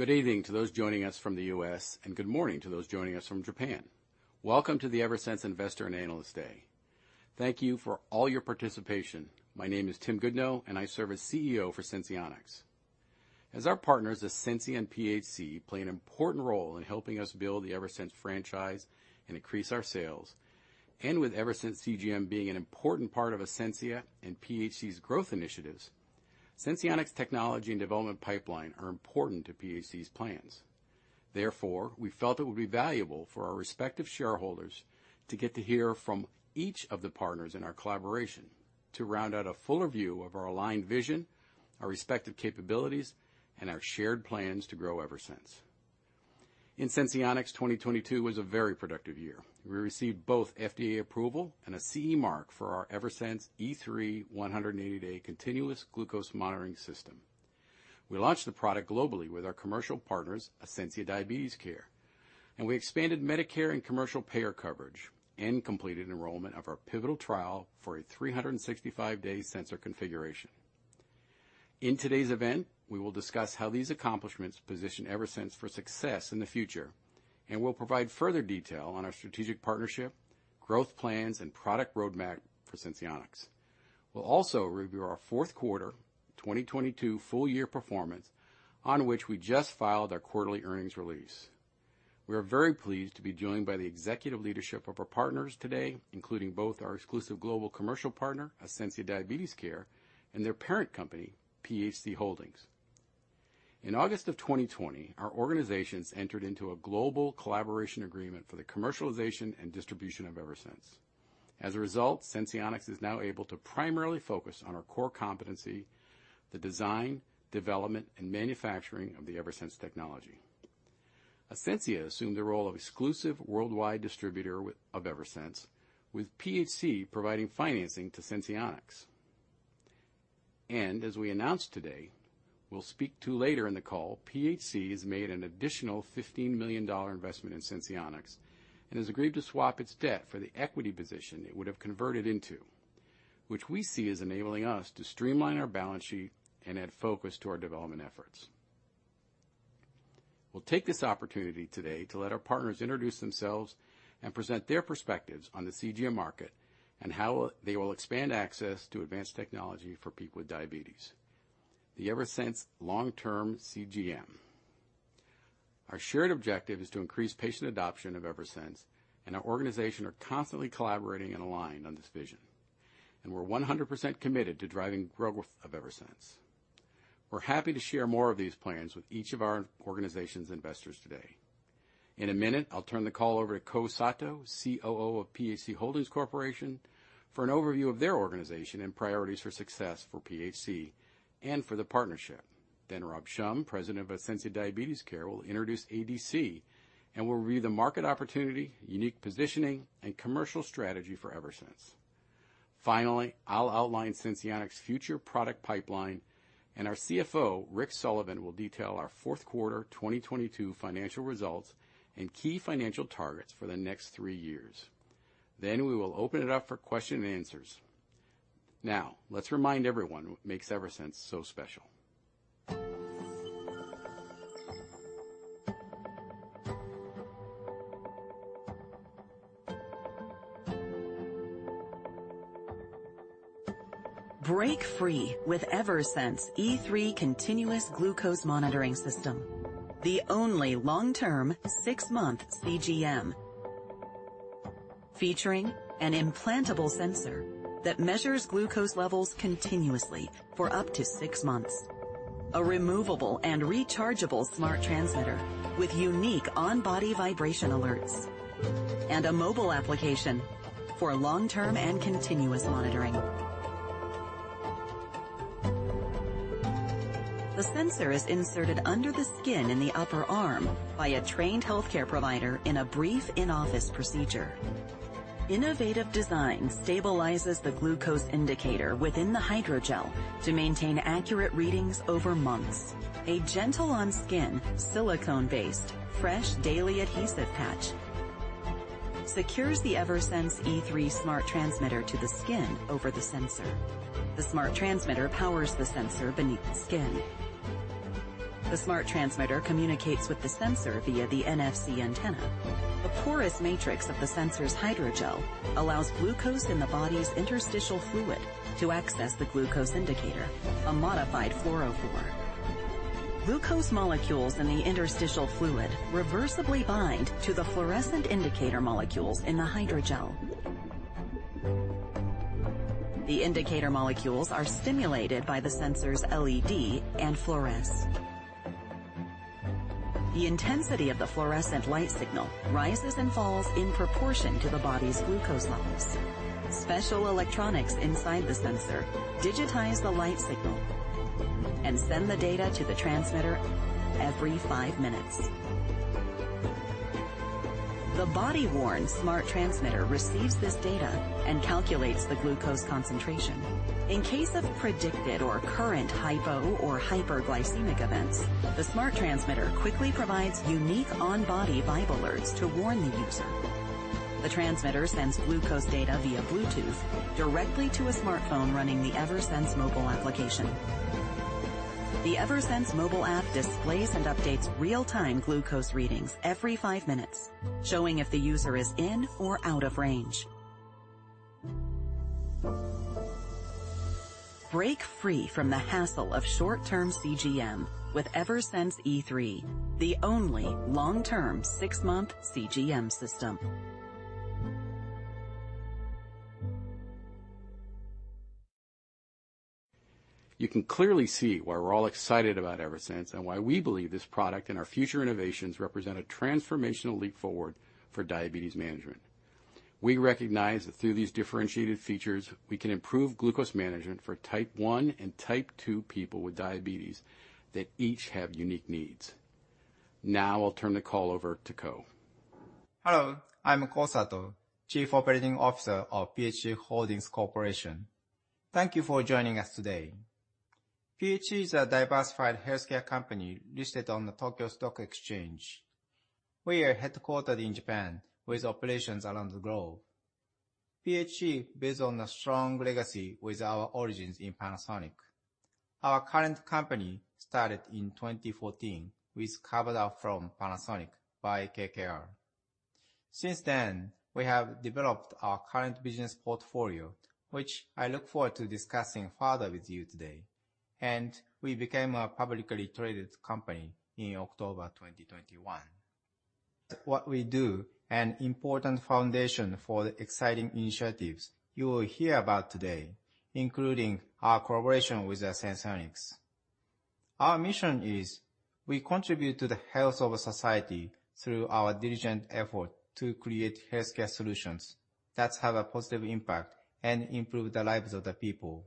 Good evening to those joining us from the U.S., and good morning to those joining us from Japan. Welcome to the Eversense Investor and Analyst Day. Thank you for all your participation. My name is Tim Goodnow, and I serve as CEO for Senseonics. As our partners, Ascensia and PHC play an important role in helping us build the Eversense franchise and increase our sales. With Eversense CGM being an important part of Ascensia and PHC's growth initiatives, Senseonics technology and development pipeline are important to PHC's plans. Therefore, we felt it would be valuable for our respective shareholders to get to hear from each of the partners in our collaboration to round out a fuller view of our aligned vision, our respective capabilities, and our shared plans to grow Eversense. In Senseonics, 2022 was a very productive year. We received both FDA approval and a CE mark for our Eversense E3 180-day continuous glucose monitoring system. We launched the product globally with our commercial partners, Ascensia Diabetes Care. We expanded Medicare and commercial payer coverage and completed enrollment of our pivotal trial for a 365-day sensor configuration. In today's event, we will discuss how these accomplishments position Eversense for success in the future. We'll provide further detail on our strategic partnership, growth plans, and product roadmap for Senseonics. We'll also review our fourth quarter 2022 full-year performance on which we just filed our quarterly earnings release. We are very pleased to be joined by the executive leadership of our partners today, including both our exclusive global commercial partner, Ascensia Diabetes Care, and their parent company, PHC Holdings. In August of 2020, our organizations entered into a global collaboration agreement for the commercialization and distribution of Eversense. As a result, Senseonics is now able to primarily focus on our core competency the design, development, and manufacturing of the Eversense technology. Ascensia assumed the role of exclusive worldwide distributor of Eversense, with PHC providing financing to Senseonics. As we announced today, we'll speak to later in the call, PHC has made an additional $15 million investment in Senseonics and has agreed to swap its debt for the equity position it would have converted into, which we see as enabling us to streamline our balance sheet and add focus to our development efforts. We'll take this opportunity today to let our partners introduce themselves and present their perspectives on the CGM market and how they will expand access to advanced technology for people with diabetes. The Eversense long-term CGM. Our shared objective is to increase patient adoption of Eversense, and our organization are constantly collaborating and aligned on this vision, and we're 100% committed to driving growth of Eversense. We're happy to share more of these plans with each of our organization's investors today. In a minute, I'll turn the call over to Ko Sato, COO of PHC Holdings Corporation, for an overview of their organization and priorities for success for PHC and for the partnership. Rob Schumm, President of Ascensia Diabetes Care, will introduce ADC and will review the market opportunity, unique positioning, and commercial strategy for Eversense. Finally, I'll outline Senseonics' future product pipeline, and our CFO, Rick Sullivan, will detail our fourth quarter, 2022 financial results and key financial targets for the next three years. We will open it up for question and answers. Now let's remind everyone what makes Eversense so special. Break free with Eversense E3 Continuous Glucose Monitoring System, the only long-term six-month CGM. Featuring an implantable sensor that measures glucose levels continuously for up to six months. A removable and rechargeable smart transmitter with unique on-body vibration alerts and a mobile application for long-term and continuous monitoring. The sensor is inserted under the skin in the upper arm by a trained healthcare provider in a brief in-office procedure. Innovative design stabilizes the glucose indicator within the hydrogel to maintain accurate readings over months. A gentle on skin silicone-based fresh daily adhesive patch secures the Eversense E3 smart transmitter to the skin over the sensor. The smart transmitter powers the sensor beneath the skin. The smart transmitter communicates with the sensor via the NFC antenna. The porous matrix of the sensor's hydrogel allows glucose in the body's interstitial fluid to access the glucose indicator, a modified fluorophore. Glucose molecules in the interstitial fluid reversibly bind to the fluorescent indicator molecules in the hydrogel. The indicator molecules are stimulated by the sensor's LED and fluoresce. The intensity of the fluorescent light signal rises and falls in proportion to the body's glucose levels. Special electronics inside the sensor digitize the light signal and send the data to the transmitter every five minutes. The body-worn smart transmitter receives this data and calculates the glucose concentration. In case of predicted or current hypo or hyperglycemic events, the smart transmitter quickly provides unique on-body vibe alerts to warn the user. The transmitter sends glucose data via Bluetooth directly to a smartphone running the Eversense mobile application. The Eversense mobile app displays and updates real-time glucose readings every five minutes, showing if the user is in or out of range. Break free from the hassle of short-term CGM with Eversense E3, the only long-term six-month CGM system. You can clearly see why we're all excited about Eversense and why we believe this product and our future innovations represent a transformational leap forward for diabetes management. We recognize that through these differentiated features, we can improve glucose management for Type 1 and Type 2 people with diabetes that each have unique needs. I'll turn the call over to Ko. Hello, I'm Ko Sato, Chief Operating Officer of PHC Holdings Corporation. Thank you for joining us today. PHC is a diversified healthcare company listed on the Tokyo Stock Exchange. We are headquartered in Japan with operations around the globe. PHC builds on a strong legacy with our origins in Panasonic. Our current company started in 2014 with carve-out from Panasonic by KKR. We have developed our current business portfolio, which I look forward to discussing further with you today, and we became a publicly traded company in October 2021. An important foundation for the exciting initiatives you will hear about today, including our collaboration with Senseonics. Our mission is we contribute to the health of a society through our diligent effort to create healthcare solutions that have a positive impact and improve the lives of the people.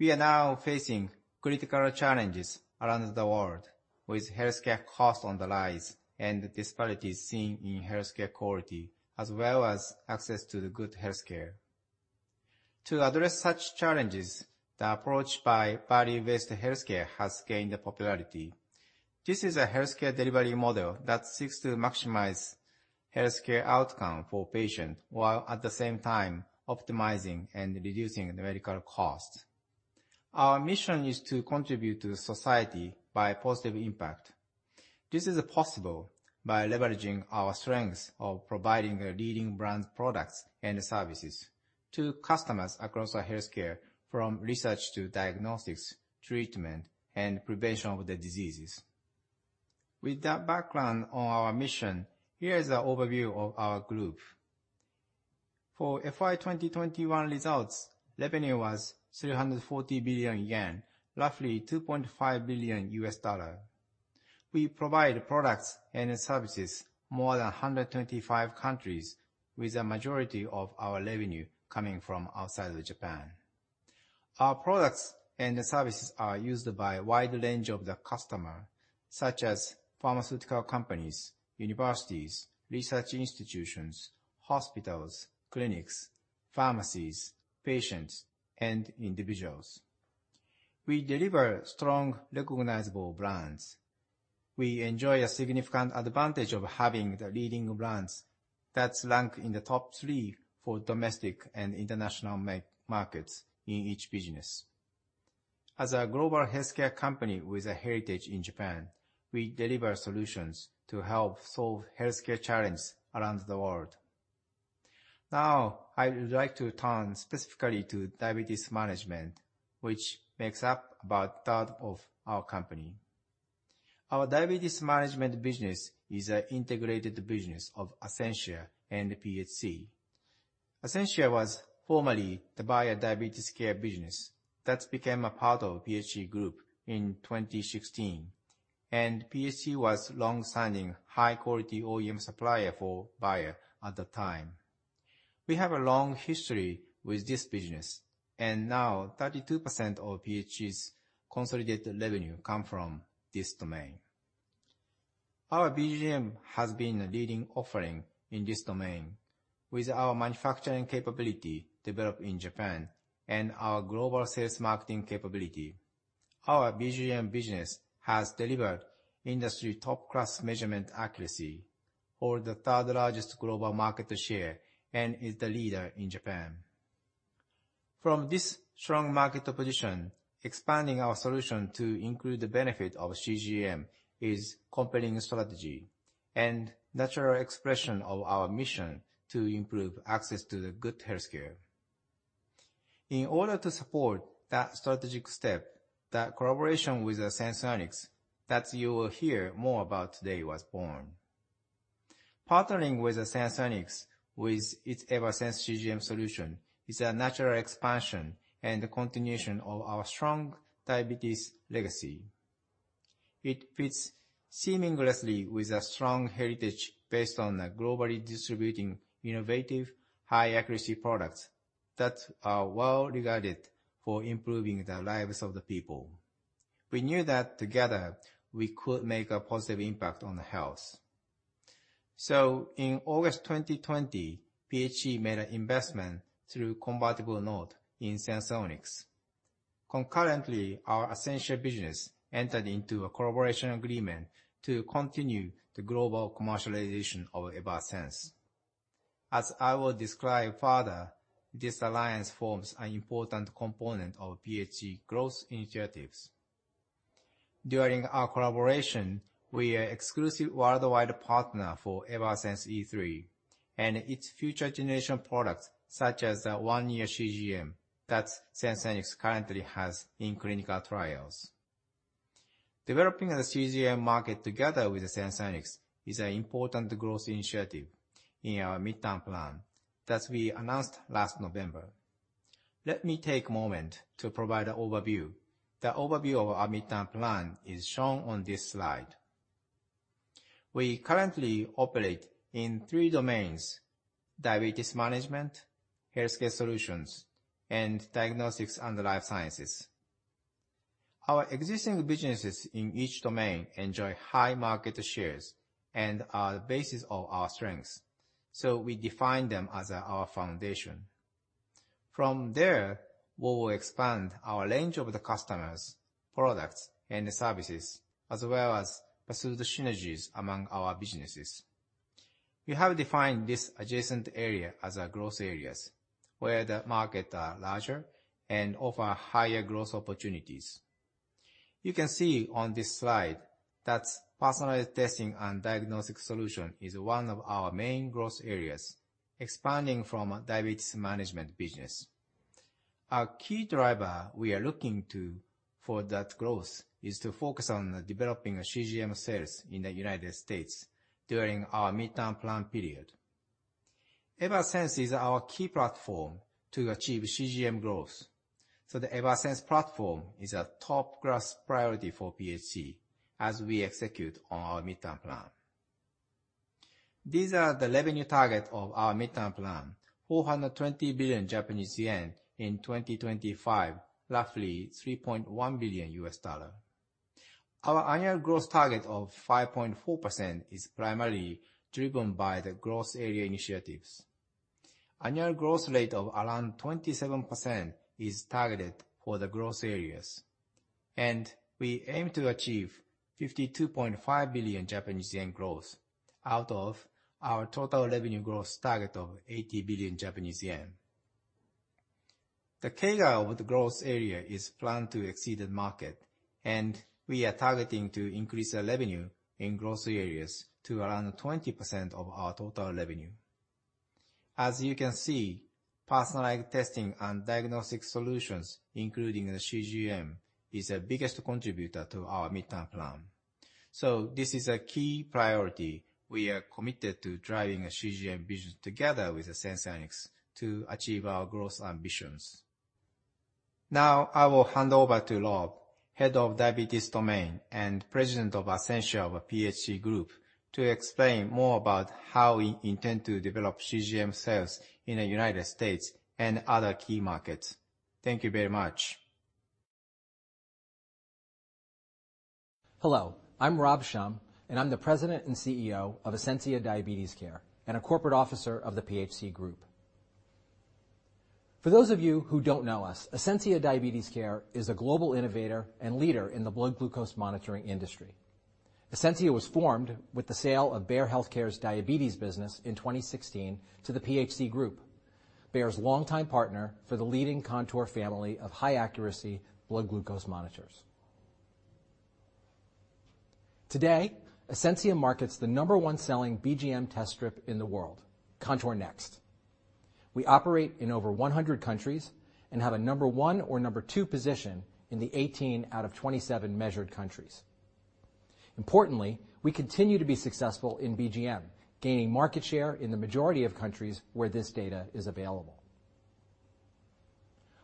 We are now facing critical challenges around the world with healthcare costs on the rise and disparities seen in healthcare quality, as well as access to the good healthcare. To address such challenges, the approach by value-based healthcare has gained popularity. This is a healthcare delivery model that seeks to maximize healthcare outcome for patient, while at the same time optimizing and reducing the medical costs. Our mission is to contribute to society by positive impact. This is possible by leveraging our strengths of providing a leading brand products and services to customers across our healthcare from research to diagnostics, treatment and prevention of the diseases. With that background on our mission, here is a overview of our group. For FY 2021 results, revenue was JPY 340 billion, roughly $2.5 billion. We provide products and services more than 125 countries with a majority of our revenue coming from outside of Japan. Our products and services are used by a wide range of the customer, such as pharmaceutical companies, universities, research institutions, hospitals, clinics, pharmacies, patients and individuals. We deliver strong recognizable brands. We enjoy a significant advantage of having the leading brands that rank in the top three for domestic and international markets in each business. As a global healthcare company with a heritage in Japan, we deliver solutions to help solve healthcare challenges around the world. I would like to turn specifically to diabetes management, which makes up about 1/3 of our company. Our diabetes management business is a integrated business of Ascensia and PHC. Ascensia was formerly the Bayer Diabetes Care business that became a part of PHC Group in 2016. PHC was long-standing high quality OEM supplier for Bayer at the time. We have a long history with this business. Now 32% of PHC's consolidated revenue come from this domain. Our BGM has been a leading offering in this domain. With our manufacturing capability developed in Japan and our global sales marketing capability, our BGM business has delivered industry top-class measurement accuracy, hold the third largest global market share, and is the leader in Japan. From this strong market position, expanding our solution to include the benefit of CGM is compelling strategy and natural expression of our mission to improve access to the good healthcare. In order to support that strategic step, that collaboration with the Senseonics that you will hear more about today was born. Partnering with Senseonics with its Eversense CGM System is a natural expansion and a continuation of our strong diabetes legacy. It fits seamlessly with a strong heritage based on a globally distributing innovative, high accuracy products that are well regarded for improving the lives of the people. We knew that together we could make a positive impact on the health. In August 2020, PHC made an investment through convertible note in Senseonics. Concurrently, our Ascensia business entered into a collaboration agreement to continue the global commercialization of Eversense. As I will describe further, this alliance forms an important component of PHC growth initiatives. During our collaboration, we are exclusive worldwide partner for Eversense E3 and its future generation products, such as the one-year CGM that Senseonics currently has in clinical trials. Developing the CGM market together with Senseonics is an important growth initiative in our midterm plan that we announced last November. Let me take a moment to provide an overview. The overview of our midterm plan is shown on this slide. We currently operate in three domains, diabetes management, healthcare solutions, and diagnostics and life sciences. Our existing businesses in each domain enjoy high market shares and are the basis of our strengths, so we define them as our foundation. From there, we will expand our range of the customers, products, and services, as well as pursue the synergies among our businesses. We have defined this adjacent area as our growth areas, where the market are larger and offer higher growth opportunities. You can see on this slide that personalized testing and diagnostic solution is one of our main growth areas, expanding from diabetes management business. Our key driver we are looking to for that growth is to focus on developing CGM sales in the United States during our midterm plan period. Eversense is our key platform to achieve CGM growth, so the Eversense platform is a top class priority for PHC as we execute on our midterm plan. These are the revenue target of our midterm plan, 420 billion Japanese yen in 2025, roughly $3.1 billion. Our annual growth target of 5.4% is primarily driven by the growth area initiatives. Annual growth rate of around 27% is targeted for the growth areas. We aim to achieve 52.5 billion Japanese yen growth out of our total revenue growth target of 80 billion Japanese yen. The CAGR of the growth area is planned to exceed the market, and we are targeting to increase the revenue in growth areas to around 20% of our total revenue. As you can see, personalized testing and diagnostic solutions, including the CGM, is the biggest contributor to our midterm plan. This is a key priority. We are committed to driving a CGM business together with Senseonics to achieve our growth ambitions. Now, I will hand over to Rob, Head of Diabetes Domain and President of Ascensia of PHC Group, to explain more about how we intend to develop CGM sales in the United States and other key markets. Thank you very much. Hello, I'm Rob Schumm, President and CEO of Ascensia Diabetes Care, and a corporate officer of the PHC Group. For those of you who don't know us, Ascensia Diabetes Care is a global innovator and leader in the blood glucose monitoring industry. Ascensia was formed with the sale of Bayer HealthCare's diabetes business in 2016 to the PHC Group, Bayer's longtime partner for the leading CONTOUR family of high-accuracy blood glucose monitors. Today, Ascensia markets the number one selling BGM test strip in the world, CONTOUR NEXT. We operate in over 100 countries and have a number one or number two position in the 18 out of 27 measured countries. Importantly, we continue to be successful in BGM, gaining market share in the majority of countries where this data is available.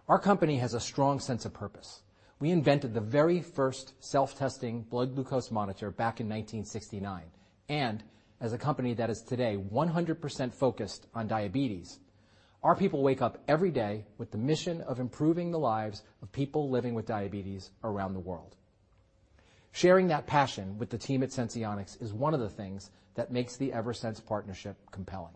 Our company has a strong sense of purpose. We invented the very first self-testing blood glucose monitor back in 1969. As a company that is today 100% focused on diabetes, our people wake up every day with the mission of improving the lives of people living with diabetes around the world. Sharing that passion with the team at Senseonics is one of the things that makes the Eversense partnership compelling.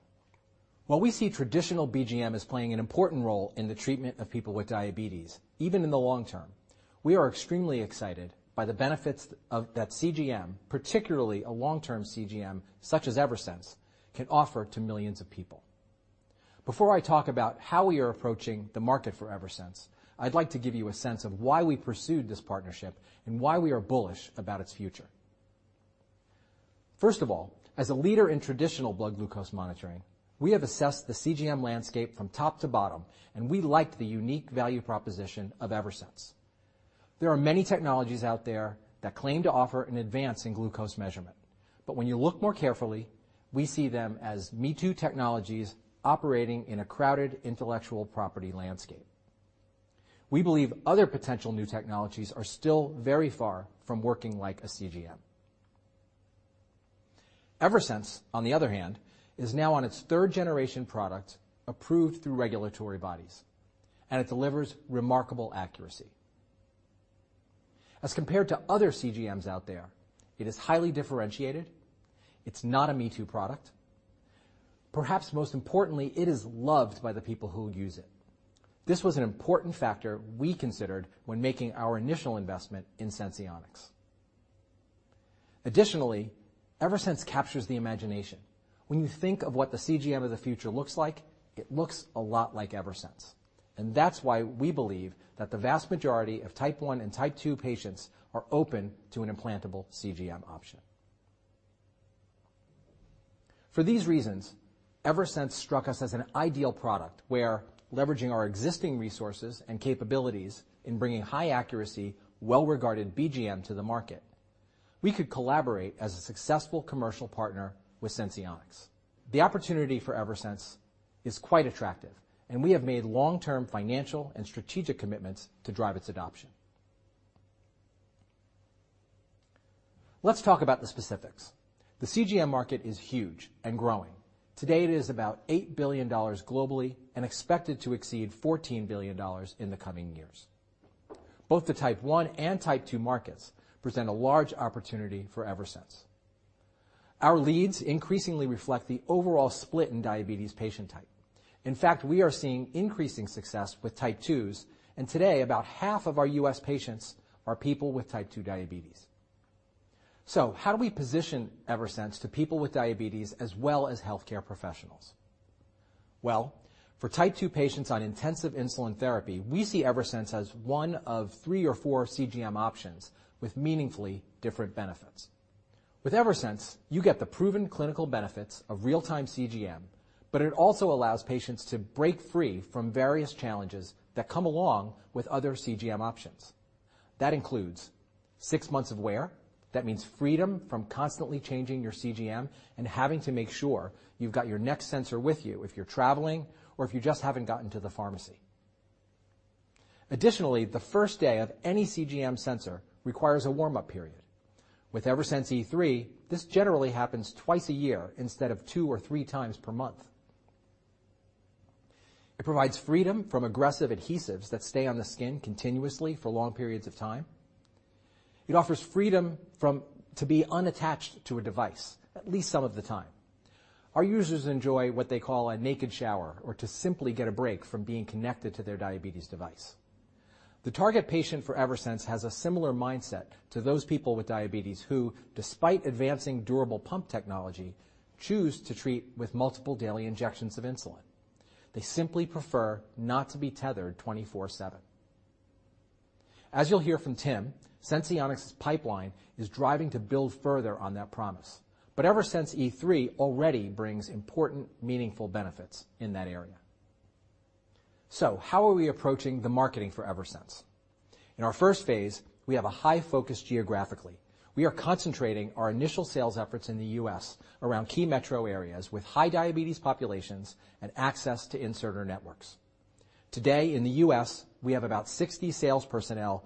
While we see traditional BGM as playing an important role in the treatment of people with diabetes, even in the long term, we are extremely excited by the benefits that CGM, particularly a long-term CGM such as Eversense, can offer to millions of people. Before I talk about how we are approaching the market for Eversense, I'd like to give you a sense of why we pursued this partnership and why we are bullish about its future. First of all, as a leader in traditional blood glucose monitoring, we have assessed the CGM landscape from top to bottom, and we liked the unique value proposition of Eversense. There are many technologies out there that claim to offer an advance in glucose measurement, but when you look more carefully, we see them as me-too technologies operating in a crowded intellectual property landscape. We believe other potential new technologies are still very far from working like a CGM. Eversense, on the other hand, is now on its third-generation product approved through regulatory bodies, and it delivers remarkable accuracy. As compared to other CGMs out there, it is highly differentiated. It's not a me-too product. Perhaps most importantly, it is loved by the people who use it. This was an important factor we considered when making our initial investment in Senseonics. Additionally, Eversense captures the imagination. When you think of what the CGM of the future looks like, it looks a lot like Eversense, and that's why we believe that the vast majority of Type 1 and Type 2 patients are open to an implantable CGM option. For these reasons, Eversense struck us as an ideal product where leveraging our existing resources and capabilities in bringing high accuracy, well-regarded BGM to the market, we could collaborate as a successful commercial partner with Senseonics. The opportunity for Eversense is quite attractive, and we have made long-term financial and strategic commitments to drive its adoption. Let's talk about the specifics. The CGM market is huge and growing. Today, it is about $8 billion globally and expected to exceed $14 billion in the coming years. Both the Type 1 and Type 2 markets present a large opportunity for Eversense. Our leads increasingly reflect the overall split in diabetes patient type. In fact, we are seeing increasing success with Type 2s, and today, about half of our U.S. patients are people with Type 2 diabetes. How do we position Eversense to people with diabetes as well as healthcare professionals? Well, for Type 2 patients on intensive insulin therapy, we see Eversense as one of three or four CGM options with meaningfully different benefits. With Eversense, you get the proven clinical benefits of real-time CGM, it also allows patients to break free from various challenges that come along with other CGM options. That includes six months of wear. That means freedom from constantly changing your CGM and having to make sure you've got your next sensor with you if you're traveling or if you just haven't gotten to the pharmacy. The first day of any CGM sensor requires a warm-up period. With Eversense E3, this generally happens 2x a year instead of 2x or 3x per month. It provides freedom from aggressive adhesives that stay on the skin continuously for long periods of time. It offers freedom to be unattached to a device, at least some of the time. Our users enjoy what they call a naked shower or to simply get a break from being connected to their diabetes device. The target patient for Eversense has a similar mindset to those people with diabetes who, despite advancing durable pump technology, choose to treat with multiple daily injections of insulin. They simply prefer not to be tethered 24/7. As you'll hear from Tim, Senseonics' pipeline is driving to build further on that promise. Eversense E3 already brings important, meaningful benefits in that area. How are we approaching the marketig for Eversense? In our first phase, we have a high focus geographically. We are concentrating our initial sales efforts in the U.S. around key metro areas with high diabetes populations and access to inserter networks. Today in the U.S., we have about 60 sales personnel,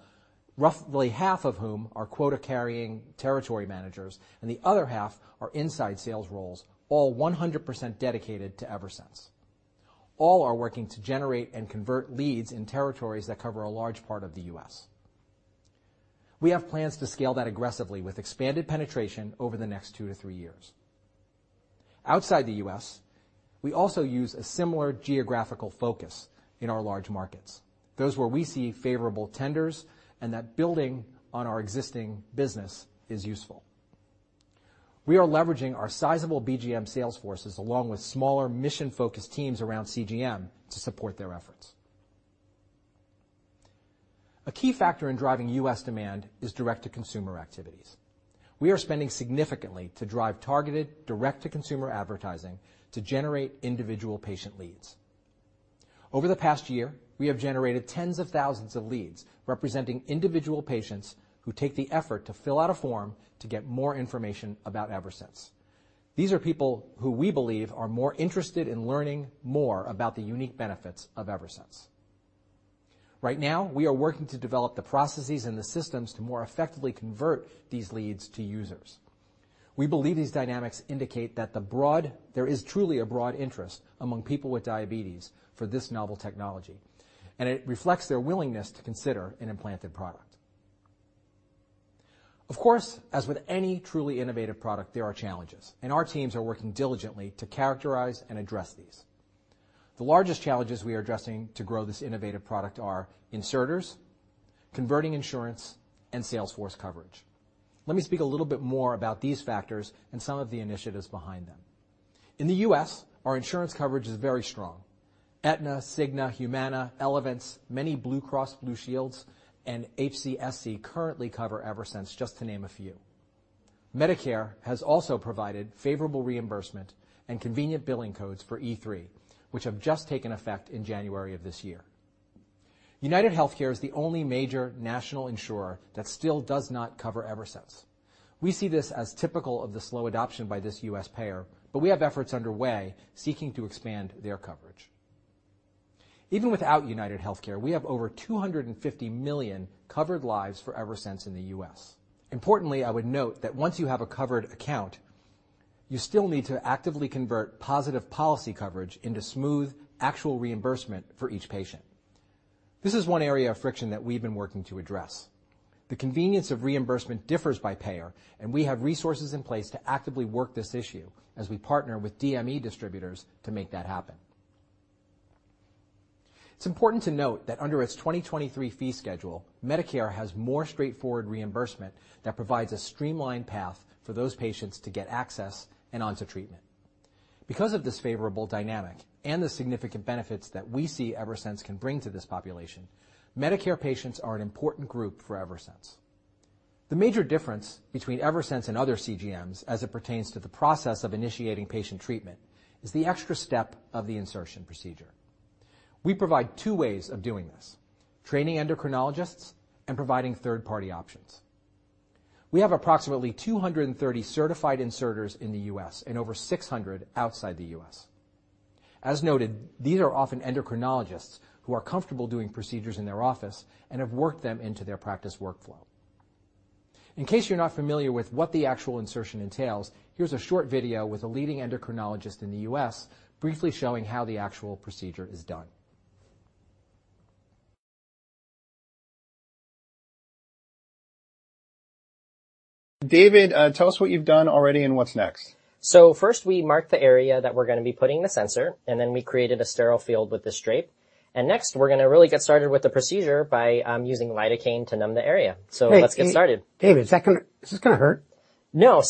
roughly half of whom are quota-carrying territory managers, and the other half are inside sales roles, all 100% dedicated to Eversense. All are working to generate and convert leads in territories that cover a large part of the U.S.. We have plans to scale that aggressively with expanded penetration over the next two to three years. Outside the U.S., we also use a similar geographical focus in our large markets, those where we see favorable tenders and that building on our existing business is useful. We are leveraging our sizable BGM sales forces along with smaller mission-focused teams around CGM to support their efforts. A key factor in driving U.S. demand is direct-to-consumer activities. We are spending significantly to drive targeted direct-to-consumer advertising to generate individual patient leads. Over the past year, we have generated tens of thousands of leads representing individual patients who take the effort to fill out a form to get more information about Eversense. These are people who we believe are more interested in learning more about the unique benefits of Eversense. Right now, we are working to develop the processes and the systems to more effectively convert these leads to users. We believe these dynamics indicate that there is truly a broad interest among people with diabetes for this novel technology, and it reflects their willingness to consider an implanted product. Of course, as with any truly innovative product, there are challenges, and our teams are working diligently to characterize and address these. The largest challenges we are addressing to grow this innovative product are inserters, converting insurance, and sales force coverage. Let me speak a little bit more about these factors and some of the initiatives behind them. In the U.S., our insurance coverage is very strong. Aetna, Cigna, Humana, Elevance, many Blue Cross Blue Shields, and HCSC currently cover Eversense, just to name a few. Medicare has also provided favorable reimbursement and convenient billing codes for E3, which have just taken effect in January of this year. UnitedHealthcare is the only major national insurer that still does not cover Eversense. We see this as typical of the slow adoption by this U.S. payer, but we have efforts underway seeking to expand their coverage. Even without UnitedHealthcare, we have over 250 million covered lives for Eversense in the U.S. Importantly, I would note that once you have a covered account. You still need to actively convert positive policy coverage into smooth actual reimbursement for each patient. This is one area of friction that we've been working to address. The convenience of reimbursement differs by payer, and we have resources in place to actively work this issue as we partner with DME distributors to make that happen. It's important to note that under its 2023 fee schedule, Medicare has more straightforward reimbursement that provides a streamlined path for those patients to get access and onto treatment. Because of this favorable dynamic and the significant benefits that we see Eversense can bring to this population, Medicare patients are an important group for Eversense. The major difference between Eversense and other CGMs as it pertains to the process of initiating patient treatment is the extra step of the insertion procedure. We provide two ways of doing this: training endocrinologists and providing third-party options. We have approximately 230 certified inserters in the U.S. and over 600 outside the U.S. As noted, these are often endocrinologists who are comfortable doing procedures in their office and have worked them into their practice workflow. In case you're not familiar with what the actual insertion entails, here's a short video with a leading endocrinologist in the U.S. briefly showing how the actual procedure is done. David, tell us what you've done already and what's next. First, we marked the area that we're gonna be putting the sensor, and then we created a sterile field with the drape. Next, we're gonna really get started with the procedure by using lidocaine to numb the area. Let's get started. Wait, David. David, is this gonna hurt? No.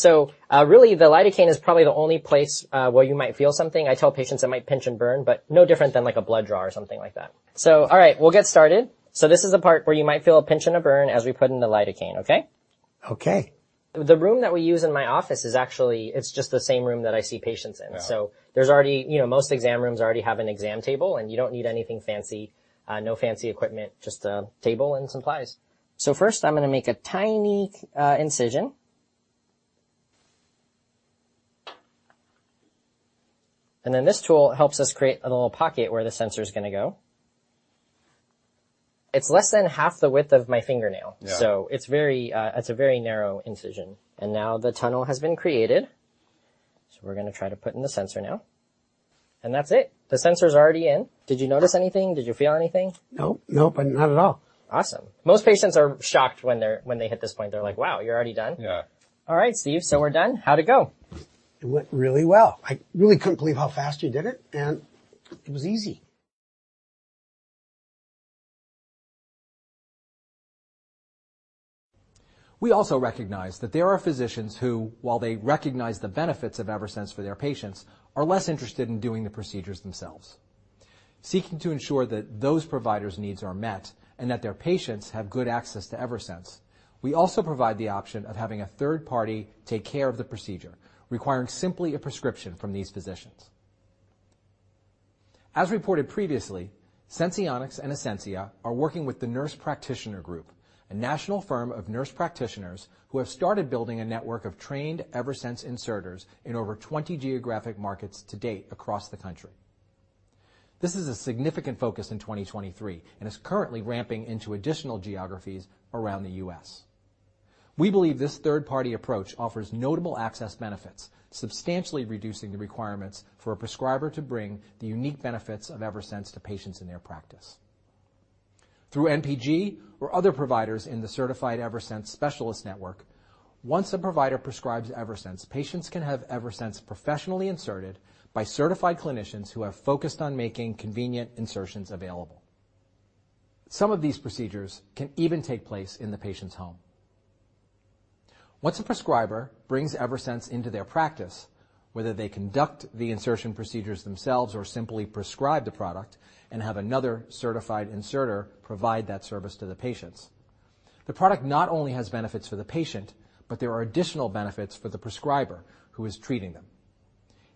Really the lidocaine is probably the only place where you might feel something. I tell patients it might pinch and burn, but no different than, like, a blood draw or something like that. All right, we'll get started. This is the part where you might feel a pinch and a burn as we put in the lidocaine. Okay? Okay. The room that we use in my office is actually, it's just the same room that I see patients in. Yeah. There's already, you know, most exam rooms already have an exam table. You don't need anything fancy. No fancy equipment, just a table and supplies. First, I'm gonna make a tiny incision. Then this tool helps us create a little pocket where the sensor's gonna go. It's less than half the width of my fingernail. Yeah. It's very, it's a very narrow incision. Now the tunnel has been created, so we're gonna try to put in the sensor now. That's it. The sensor's already in. Did you notice anything? Did you feel anything? No. Nope. Not at all. Awesome. Most patients are shocked when they hit this point. They're like, "Wow, you're already done? Yeah. All right, Steve. We're done. How'd it go? It went really well. I really couldn't believe how fast you did it, and it was easy. We also recognize that there are physicians who, while they recognize the benefits of Eversense for their patients, are less interested in doing the procedures themselves. Seeking to ensure that those providers' needs are met and that their patients have good access to Eversense, we also provide the option of having a third party take care of the procedure, requiring simply a prescription from these physicians. As reported previously, Senseonics and Ascensia are working with the Nurse Practitioner Group, a national firm of nurse practitioners who have started building a network of trained Eversense inserters in over 20 geographic markets to date across the country. This is a significant focus in 2023 and is currently ramping into additional geographies around the U.S. We believe this third-party approach offers notable access benefits, substantially reducing the requirements for a prescriber to bring the unique benefits of Eversense to patients in their practice. Through NPG or other providers in the certified Eversense specialist network, once a provider prescribes Eversense, patients can have Eversense professionally inserted by certified clinicians who have focused on making convenient insertions available. Some of these procedures can even take place in the patient's home. Once a prescriber brings Eversense into their practice, whether they conduct the insertion procedures themselves or simply prescribe the product and have another certified inserter provide that service to the patients, the product not only has benefits for the patient, but there are additional benefits for the prescriber who is treating them.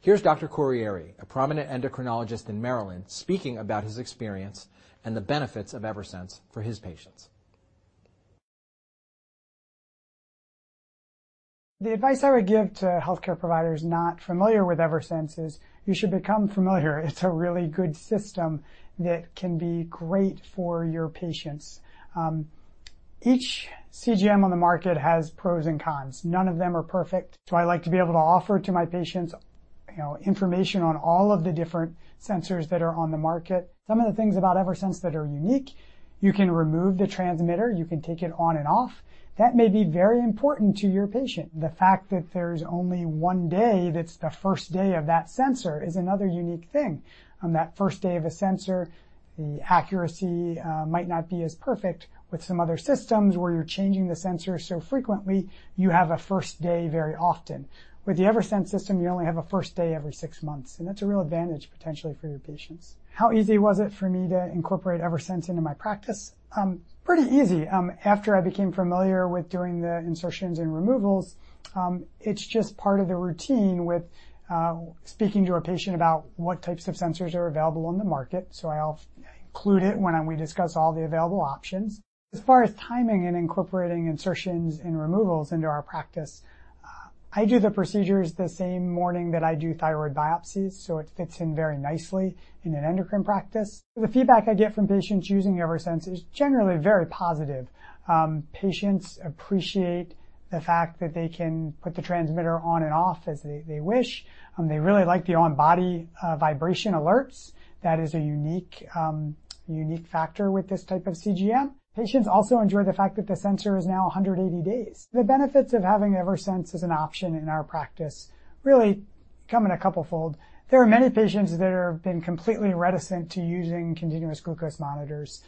Here's Dr. Corriere, a prominent endocrinologist in Maryland, speaking about his experience and the benefits of Eversense for his patients. The advice I would give to healthcare providers not familiar with Eversense is you should become familiar. It's a really good system that can be great for your patients. Each CGM on the market has pros and cons. None of them are perfect. I like to be able to offer to my patients, you know, information on all of the different sensors that are on the market. Some of the things about Eversense that are unique, you can remove the transmitter. You can take it on and off. That may be very important to your patient. The fact that there's only one day that's the first day of that sensor is another unique thing. On that first day of a sensor, the accuracy might not be as perfect. With some other systems where you're changing the sensor so frequently, you have a first day very often. With the Eversense system, you only have a first day every six months, and that's a real advantage potentially for your patients. How easy was it for me to incorporate Eversense into my practice? Pretty easy. After I became familiar with doing the insertions and removals, it's just part of the routine with speaking to a patient about what types of sensors are available on the market. I'll include it when we discuss all the available options. As far as timing and incorporating insertions and removals into our practice, I do the procedures the same morning that I do thyroid biopsies, so it fits in very nicely in an endocrine practice. The feedback I get from patients using Eversense is generally very positive. Patients appreciate the fact that they can put the transmitter on and off as they wish. They really like the on-body vibration alerts. That is a unique factor with this type of CGM. Patients also enjoy the fact that the sensor is now 180 days. The benefits of having Eversense as an option in our practice really come in a couple-fold. There are many patients that have been completely reticent to using continuous glucose monitors,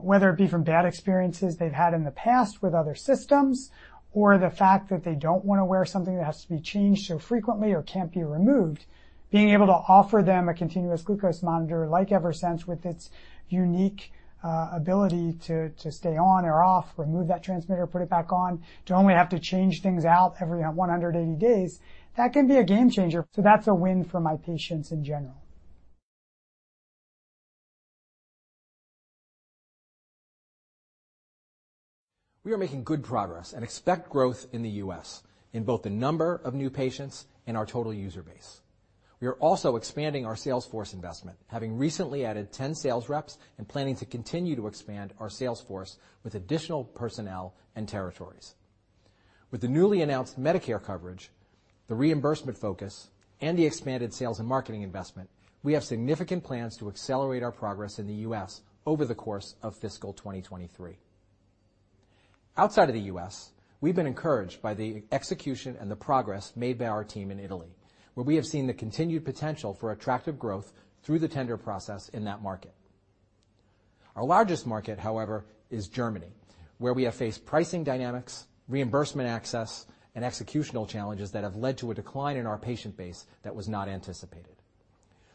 whether it be from bad experiences they've had in the past with other systems or the fact that they don't wanna wear something that has to be changed so frequently or can't be removed. Being able to offer them a continuous glucose monitor like Eversense with its unique ability to stay on or off, remove that transmitter, put it back on, to only have to change things out every 180 days, that can be a game changer. That's a win for my patients in general. We are making good progress and expect growth in the U.S. in both the number of new patients and our total user base. We are also expanding our sales force investment, having recently added 10 sales reps and planning to continue to expand our sales force with additional personnel and territories. With the newly announced Medicare coverage, the reimbursement focus, and the expanded sales and marketing investment, we have significant plans to accelerate our progress in the U.S. over the course of fiscal 2023. Outside of the U.S., we've been encouraged by the execution and the progress made by our team in Italy, where we have seen the continued potential for attractive growth through the tender process in that market. Our largest market, however, is Germany, where we have faced pricing dynamics, reimbursement access, and executional challenges that have led to a decline in our patient base that was not anticipated.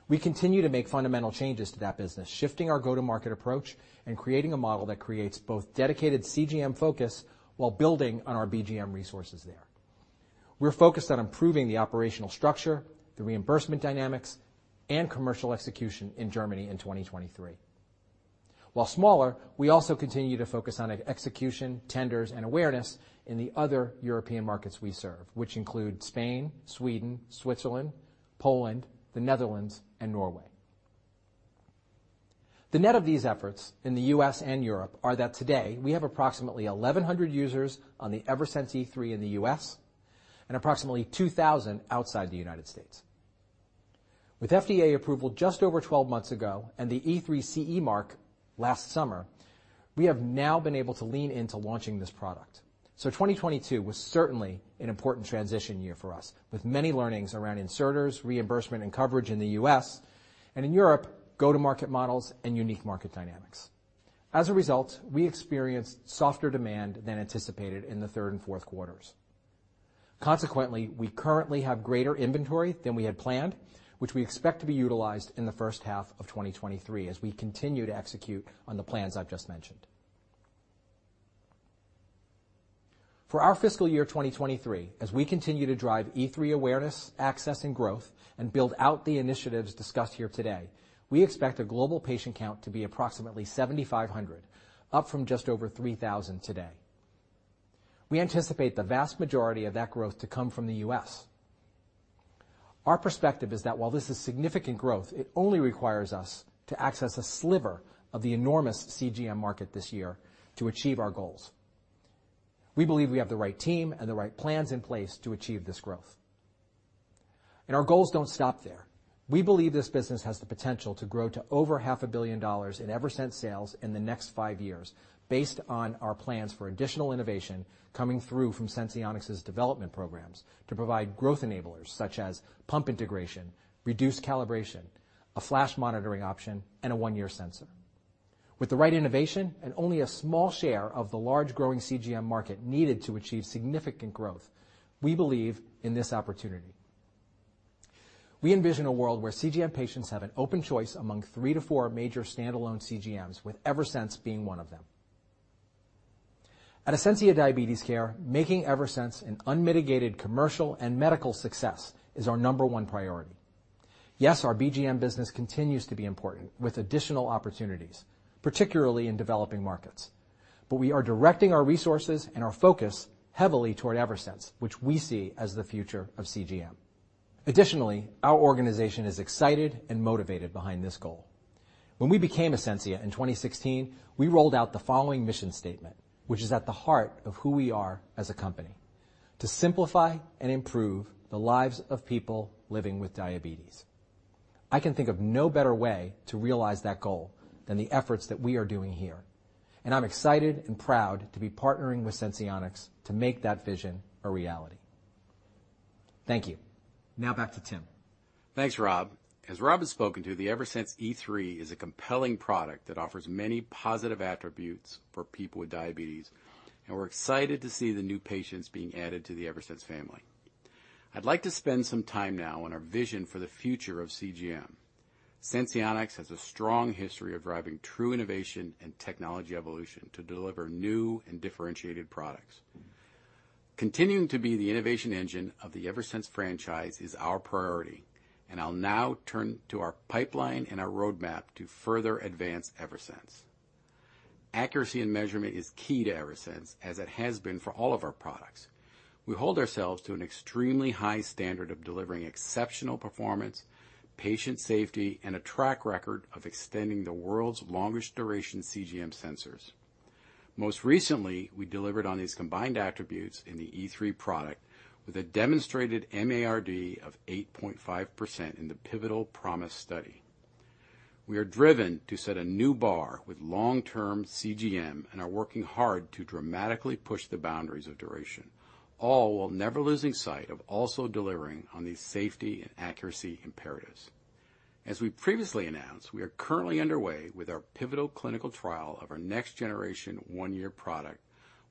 We continue to make fundamental changes to that business, shifting our go-to-market approach and creating a model that creates both dedicated CGM focus while building on our BGM resources there. We're focused on improving the operational structure, the reimbursement dynamics, and commercial execution in Germany in 2023. While smaller, we also continue to focus on execution, tenders, and awareness in the other European markets we serve, which include Spain, Sweden, Switzerland, Poland, the Netherlands, and Norway. The net of these efforts in the U.S. and Europe are that today we have approximately 1,100 users on the Eversense E3 in the U.S. and approximately 2,000 outside the United States. With FDA approval just over 12 months ago and the E3 CE mark last summer, we have now been able to lean into launching this product. 2022 was certainly an important transition year for us, with many learnings around inserters, reimbursement, and coverage in the U.S. and in Europe, go-to-market models, and unique market dynamics. As a result, we experienced softer demand than anticipated in the third and fourth quarters. We currently have greater inventory than we had planned, which we expect to be utilized in the first half of 2023 as we continue to execute on the plans I've just mentioned. For our fiscal year 2023, as we continue to drive E3 awareness, access, and growth and build out the initiatives discussed here today, we expect a global patient count to be approximately 7,500, up from just over 3,000 today. We anticipate the vast majority of that growth to come from the U.S. Our perspective is that while this is significant growth, it only requires us to access a sliver of the enormous CGM market this year to achieve our goals. We believe we have the right team and the right plans in place to achieve this growth. Our goals don't stop there. We believe this business has the potential to grow to over $500 million in Eversense sales in the next five years based on our plans for additional innovation coming through from Senseonics' development programs to provide growth enablers such as pump integration, reduced calibration, a flash monitoring option, and a one-year sensor. With the right innovation and only a small share of the large growing CGM market needed to achieve significant growth, we believe in this opportunity. We envision a world where CGM patients have an open choice among three to four major standalone CGMs with Eversense being one of them. At Ascensia Diabetes Care, making Eversense an unmitigated commercial and medical success is our number one priority. Yes, our BGM business continues to be important with additional opportunities, particularly in developing markets, but we are directing our resources and our focus heavily toward Eversense, which we see as the future of CGM. Additionally, our organization is excited and motivated behind this goal. When we became Ascensia in 2016, we rolled out the following mission statement, which is at the heart of who we are as a company: "To simplify and improve the lives of people living with diabetes." I can think of no better way to realize that goal than the efforts that we are doing here, and I'm excited and proud to be partnering with Senseonics to make that vision a reality. Thank you. Now back to Tim. Thanks, Rob. As Rob has spoken to, the Eversense E3 is a compelling product that offers many positive attributes for people with diabetes, and we're excited to see the new patients being added to the Eversense family. I'd like to spend some time now on our vision for the future of CGM. Senseonics has a strong history of driving true innovation and technology evolution to deliver new and differentiated products. Continuing to be the innovation engine of the Eversense franchise is our priority, and I'll now turn to our pipeline and our roadmap to further advance Eversense. Accuracy and measurement is key to Eversense as it has been for all of our products. We hold ourselves to an extremely high standard of delivering exceptional performance, patient safety, and a track record of extending the world's longest duration CGM sensors. Most recently, we delivered on these combined attributes in the Eversense E3 product with a demonstrated MARD of 8.5% in the pivotal PROMISE Study. We are driven to set a new bar with long-term CGM and are working hard to dramatically push the boundaries of duration, all while never losing sight of also delivering on these safety and accuracy imperatives. As we previously announced, we are currently underway with our pivotal clinical trial of our next generation one-year product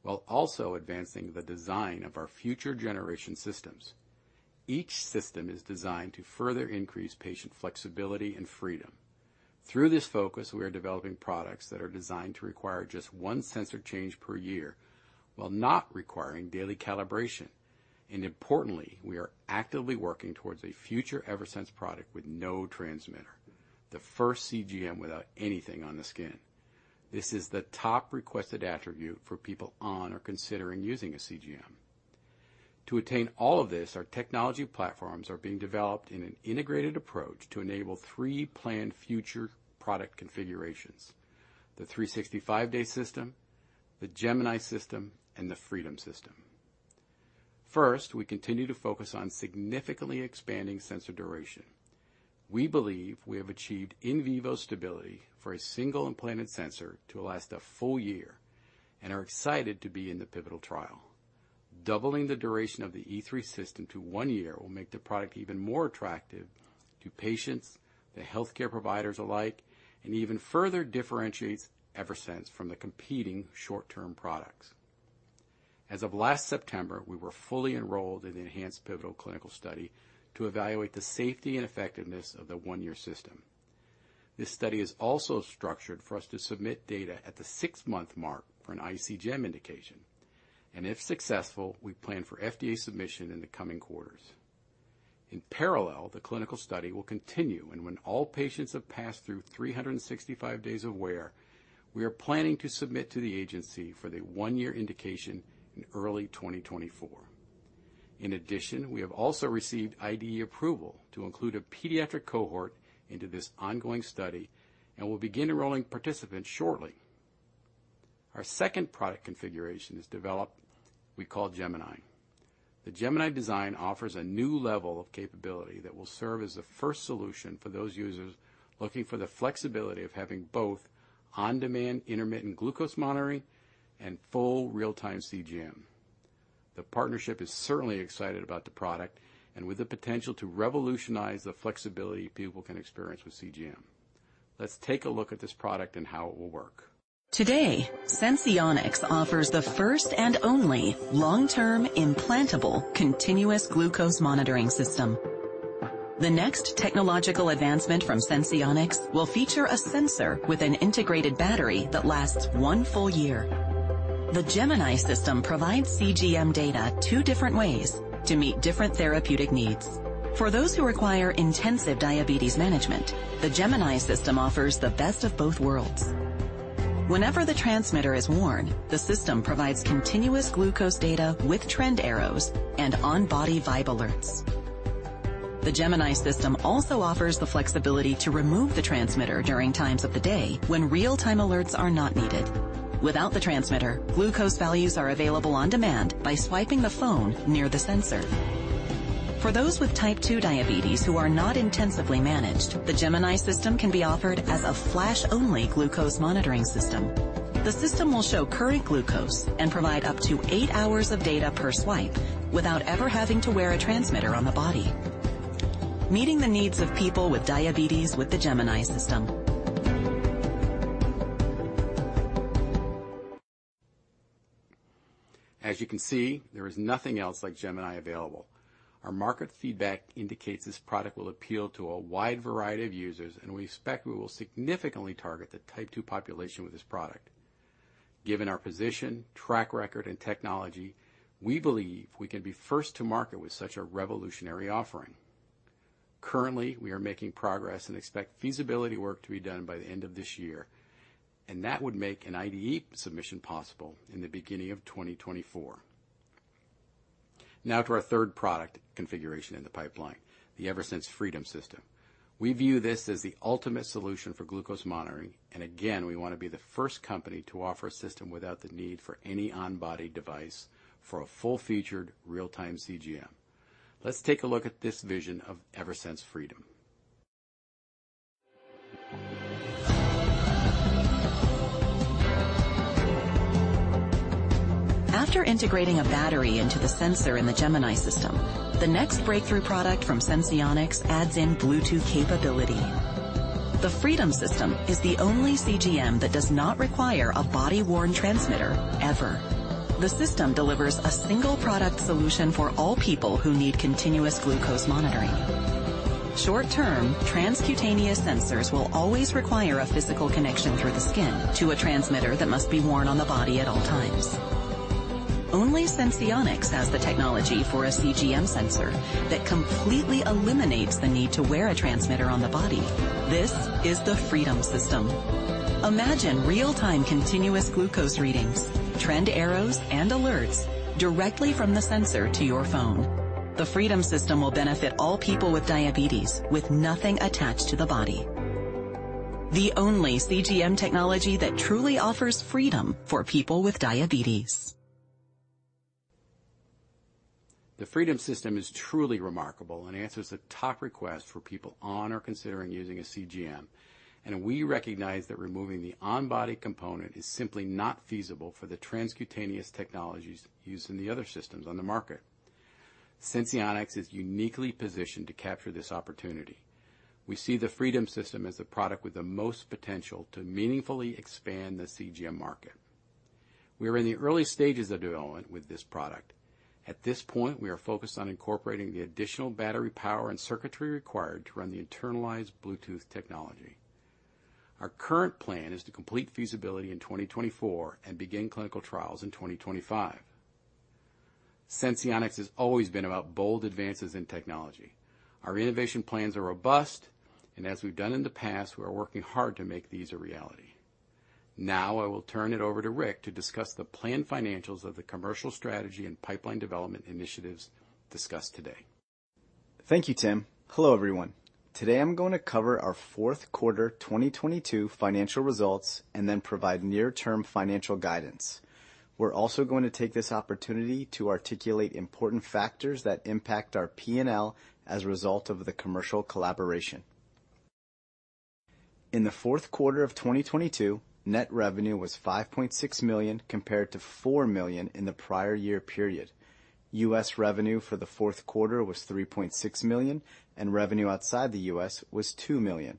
while also advancing the design of our future generation systems. Each system is designed to further increase patient flexibility and freedom. Through this focus, we are developing products that are designed to require just one sensor change per year while not requiring daily calibration. Importantly, we are actively working towards a future Eversense product with no transmitter, the first CGM without anything on the skin. This is the top requested attribute for people on or considering using a CGM. To attain all of this, our technology platforms are being developed in an integrated approach to enable three planned future product configurations: the 365-day system, the Gemini system, and the Freedom system. First, we continue to focus on significantly expanding sensor duration. We believe we have achieved in vivo stability for a single implanted sensor to last a full-year and are excited to be in the pivotal trial. Doubling the duration of the E3 system to one year will make the product even more attractive to patients, the healthcare providers alike, and even further differentiates Eversense from the competing short-term products. As of last September, we were fully enrolled in the enhanced pivotal clinical study to evaluate the safety and effectiveness of the one-year system. This study is also structured for us to submit data at the six-month mark for an iCGM indication. If successful, we plan for FDA submission in the coming quarters. In parallel, the clinical study will continue, and when all patients have passed through 365 days of wear, we are planning to submit to the agency for the one-year indication in early 2024. In addition, we have also received IDE approval to include a pediatric cohort into this ongoing study and will begin enrolling participants shortly. Our second product configuration is developed, we call Gemini. The Gemini design offers a new level of capability that will serve as the first solution for those users looking for the flexibility of having both on-demand intermittent glucose monitoring and full real-time CGM. The partnership is certainly excited about the product and with the potential to revolutionize the flexibility people can experience with CGM. Let's take a look at this product and how it will work. Today, Senseonics offers the first and only long-term implantable continuous glucose monitoring system. The next technological advancement from Senseonics will feature a sensor with an integrated battery that lasts one full-year. The Gemini system provides CGM data two different ways to meet different therapeutic needs. For those who require intensive diabetes management, the Gemini system offers the best of both worlds. Whenever the transmitter is worn, the system provides continuous glucose data with trend arrows and on-body vibe alerts. The Gemini system also offers the flexibility to remove the transmitter during times of the day when real-time alerts are not needed. Without the transmitter, glucose values are available on demand by swiping the phone near the sensor. For those with type two diabetes who are not intensively managed, the Gemini system can be offered as a flash-only glucose monitoring system. The system will show current glucose and provide up to eight hours of data per swipe without ever having to wear a transmitter on the body. Meeting the needs of people with diabetes with the Gemini system. As you can see, there is nothing else like Gemini available. Our market feedback indicates this product will appeal to a wide variety of users. We expect we will significantly target the Type 2 population with this product. Given our position, track record, and technology, we believe we can be first to market with such a revolutionary offering. Currently, we are making progress and expect feasibility work to be done by the end of this year. That would make an IDE submission possible in the beginning of 2024. Now to our third product configuration in the pipeline, the Eversense Freedom system. We view this as the ultimate solution for glucose monitoring. Again, we wanna be the first company to offer a system without the need for any on-body device for a full-featured real-time CGM. Let's take a look at this vision of Eversense Freedom. After integrating a battery into the sensor in the Gemini system, the next breakthrough product from Senseonics adds in Bluetooth capability. The Freedom system is the only CGM that does not require a body-worn transmitter ever. The system delivers a single product solution for all people who need continuous glucose monitoring. Short-term transcutaneous sensors will always require a physical connection through the skin to a transmitter that must be worn on the body at all times. Only Senseonics has the technology for a CGM sensor that completely eliminates the need to wear a transmitter on the body. This is the Freedom system. Imagine real-time continuous glucose readings, trend arrows and alerts directly from the sensor to your phone. The Freedom system will benefit all people with diabetes with nothing attached to the body. The only CGM technology that truly offers freedom for people with diabetes. The Freedom system is truly remarkable and answers the top request for people on or considering using a CGM. We recognize that removing the on-body component is simply not feasible for the transcutaneous technologies used in the other systems on the market. Senseonics is uniquely positioned to capture this opportunity. We see the Freedom system as the product with the most potential to meaningfully expand the CGM market. We are in the early stages of development with this product. At this point, we are focused on incorporating the additional battery power and circuitry required to run the internalized Bluetooth technology. Our current plan is to complete feasibility in 2024 and begin clinical trials in 2025. Senseonics has always been about bold advances in technology. Our innovation plans are robust, and as we've done in the past, we are working hard to make these a reality. Now, I will turn it over to Rick to discuss the planned financials of the commercial strategy and pipeline development initiatives discussed today. Thank you, Tim. Hello, everyone. Today I'm going to cover our fourth quarter 2022 financial results and then provide near-term financial guidance. We're also going to take this opportunity to articulate important factors that impact our P&L as a result of the commercial collaboration. In the fourth quarter of 2022, net revenue was $5.6 million compared to $4 million in the prior year period. U.S. revenue for the fourth quarter was $3.6 million, and revenue outside the U.S. was $2 million.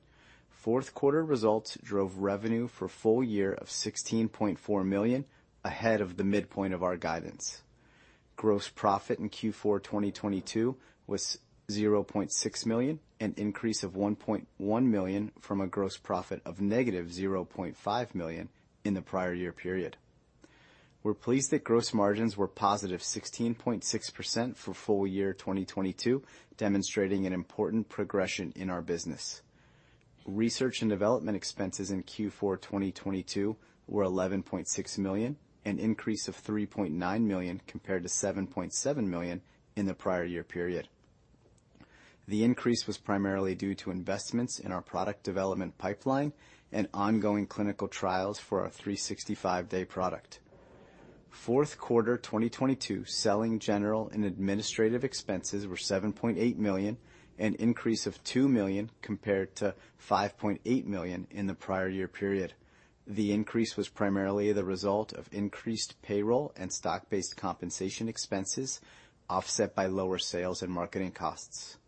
Fourth quarter results drove revenue for full-year of $16.4 million, ahead of the midpoint of our guidance. Gross profit in Q4 2022 was $0.6 million, an increase of $1.1 million from a gross profit of negative $0.5 million in the prior year period. We're pleased that gross margins were +16.6% for full-year 2022, demonstrating an important progression in our business. Research and development expenses in Q4 2022 were $11.6 million, an increase of $3.9 million compared to $7.7 million in the prior year period. The increase was primarily due to investments in our product development pipeline and ongoing clinical trials for our 365-day product. Fourth quarter 2022 selling general and administrative expenses were $7.8 million, an increase of $2 million compared to $5.8 million in the prior year period. The increase was primarily the result of increased payroll and stock-based compensation expenses, offset by lower sales and marketing costs.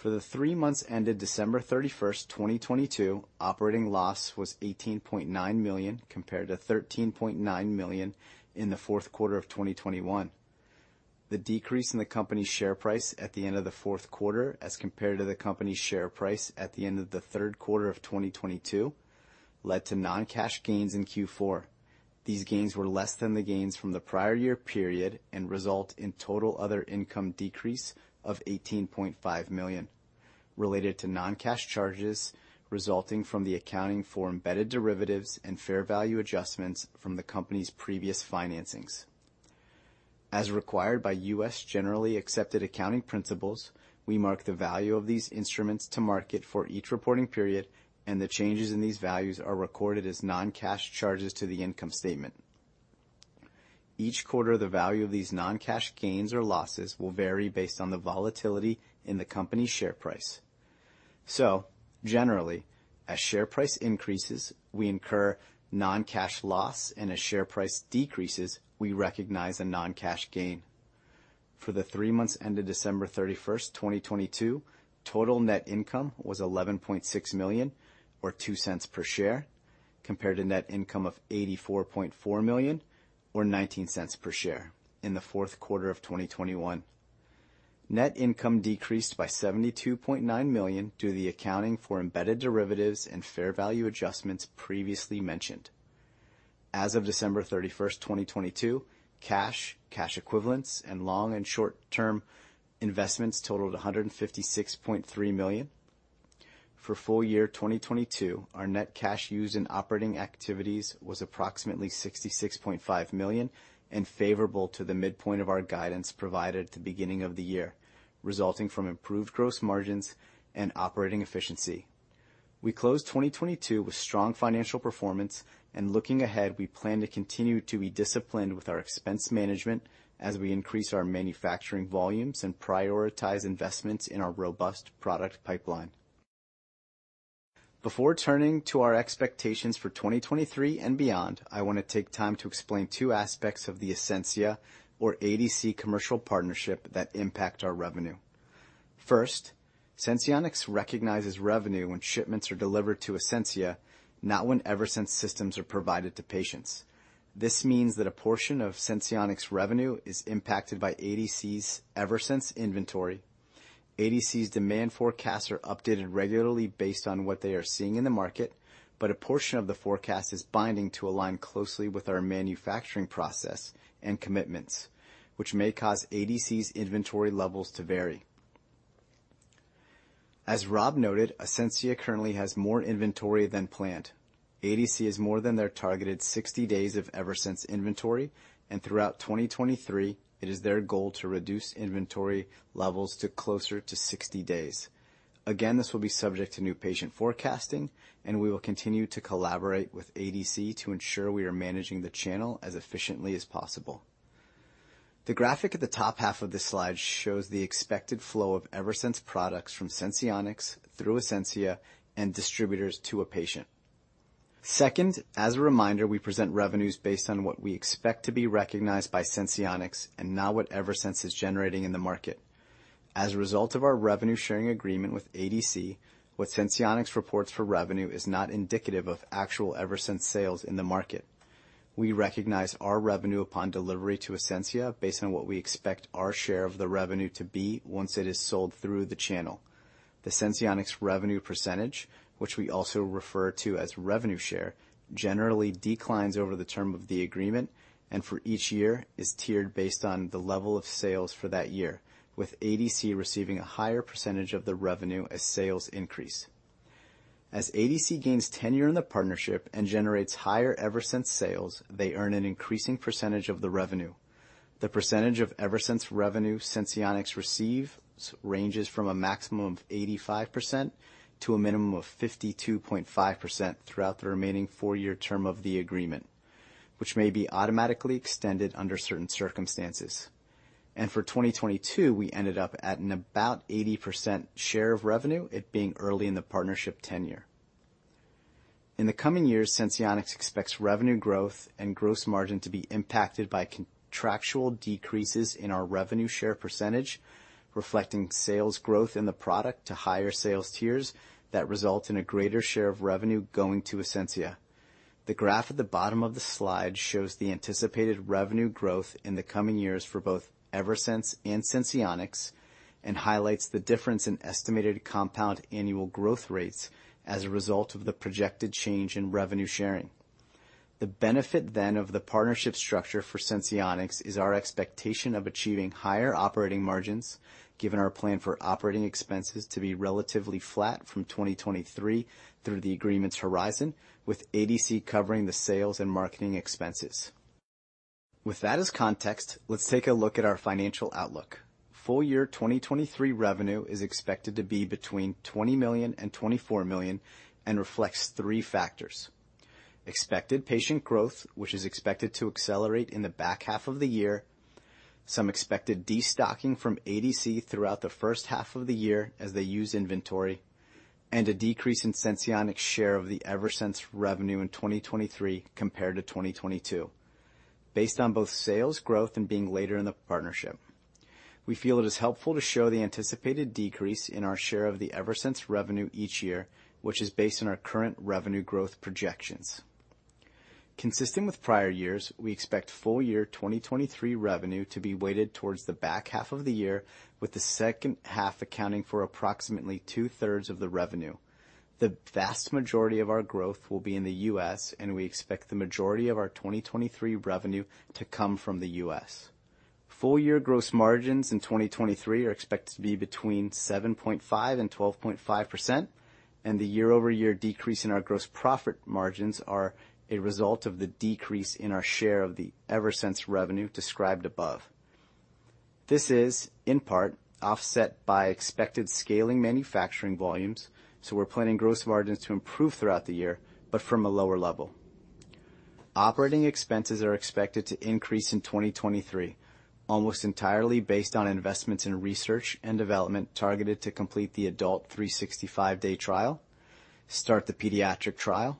For the three months ended December 31st, 2022, operating loss was $18.9 million, compared to $13.9 million in the fourth quarter of 2021. The decrease in the company's share price at the end of the fourth quarter as compared to the company's share price at the end of the third quarter of 2022 led to non-cash gains in Q4. These gains were less than the gains from the prior year period and result in total other income decrease of $18.5 million related to non-cash charges resulting from the accounting for embedded derivatives and fair value adjustments from the company's previous financings. As required by U.S. Generally Accepted Accounting Principles, we mark the value of these instruments to market for each reporting period, and the changes in these values are recorded as non-cash charges to the income statement. Each quarter, the value of these non-cash gains or losses will vary based on the volatility in the company's share price. Generally, as share price increases, we incur non-cash loss, and as share price decreases, we recognize a non-cash gain. For the three months ended December 31st, 2022, total net income was $11.6 million or $0.02 per share, compared to net income of $84.4 million or $0.19 per share in the fourth quarter of 2021. Net income decreased by $72.9 million due to the accounting for embedded derivatives and fair value adjustments previously mentioned. As of December 31st, 2022, cash equivalents, and long and short-term investments totaled $156.3 million. For full-year 2022, our net cash used in operating activities was approximately $66.5 million and favorable to the midpoint of our guidance provided at the beginning of the year, resulting from improved gross margins and operating efficiency. We closed 2022 with strong financial performance. Looking ahead, we plan to continue to be disciplined with our expense management as we increase our manufacturing volumes and prioritize investments in our robust product pipeline. Before turning to our expectations for 2023 and beyond, I wanna take time to explain two aspects of the Ascensia or ADC commercial partnership that impact our revenue. First, Senseonics recognizes revenue when shipments are delivered to Ascensia, not when Eversense systems are provided to patients. This means that a portion of Senseonics revenue is impacted by ADC's Eversense inventory. ADC's demand forecasts are updated regularly based on what they are seeing in the market, a portion of the forecast is binding to align closely with our manufacturing process and commitments, which may cause ADC's inventory levels to vary. As Rob noted, Ascensia currently has more inventory than planned. ADC is more than their targeted 60 days of Eversense inventory, throughout 2023, it is their goal to reduce inventory levels to closer to 60 days. Again, this will be subject to new patient forecasting, we will continue to collaborate with ADC to ensure we are managing the channel as efficiently as possible. The graphic at the top half of this slide shows the expected flow of Eversense products from Senseonics through Ascensia and distributors to a patient. As a reminder, we present revenues based on what we expect to be recognized by Senseonics and not what Eversense is generating in the market. As a result of our revenue sharing agreement with ADC, what Senseonics reports for revenue is not indicative of actual Eversense sales in the market. We recognize our revenue upon delivery to Ascensia based on what we expect our share of the revenue to be once it is sold through the channel. The Senseonics revenue percentage, which we also refer to as revenue share, generally declines over the term of the agreement and for each year is tiered based on the level of sales for that year, with ADC receiving a higher percentage of the revenue as sales increase. As ADC gains tenure in the partnership and generates higher Eversense sales, they earn an increasing percentage of the revenue. The percentage of Eversense revenue Senseonics receives ranges from a maximum of 85% to a minimum of 52.5% throughout the remaining four-year term of the agreement, which may be automatically extended under certain circumstances. For 2022, we ended up at an about 80% share of revenue, it being early in the partnership tenure. In the coming years, Senseonics expects revenue growth and gross margin to be impacted by contractual decreases in our revenue share percentage, reflecting sales growth in the product to higher sales tiers that result in a greater share of revenue going to Ascensia. The graph at the bottom of the slide shows the anticipated revenue growth in the coming years for both Eversense and Senseonics and highlights the difference in estimated compound annual growth rates as a result of the projected change in revenue sharing. The benefit of the partnership structure for Senseonics is our expectation of achieving higher operating margins, given our plan for operating expenses to be relatively flat from 2023 through the agreements horizon, with ADC covering the sales and marketing expenses. With that as context, let's take a look at our financial outlook. Full-year 2023 revenue is expected to be between $20 million and $24 million and reflects three factors. Expected patient growth, which is expected to accelerate in the back half of the year, some expected destocking from ADC throughout the first half of the year as they use inventory, and a decrease in Senseonics share of the Eversense revenue in 2023 compared to 2022. Based on both sales growth and being later in the partnership, we feel it is helpful to show the anticipated decrease in our share of the Eversense revenue each year, which is based on our current revenue growth projections. Consistent with prior years, we expect full-year 2023 revenue to be weighted towards the back half of the year, with the second half accounting for approximately 2/3 of the revenue. The vast majority of our growth will be in the U.S., and we expect the majority of our 2023 revenue to come from the U.S. Full-year gross margins in 2023 are expected to be between 7.5% and 12.5%, and the year-over-year decrease in our gross profit margins are a result of the decrease in our share of the Eversense revenue described above. This is, in part, offset by expected scaling manufacturing volumes, so we're planning gross margins to improve throughout the year, but from a lower level. Operating expenses are expected to increase in 2023, almost entirely based on investments in research and development targeted to complete the adult 365-day trial, start the pediatric trial,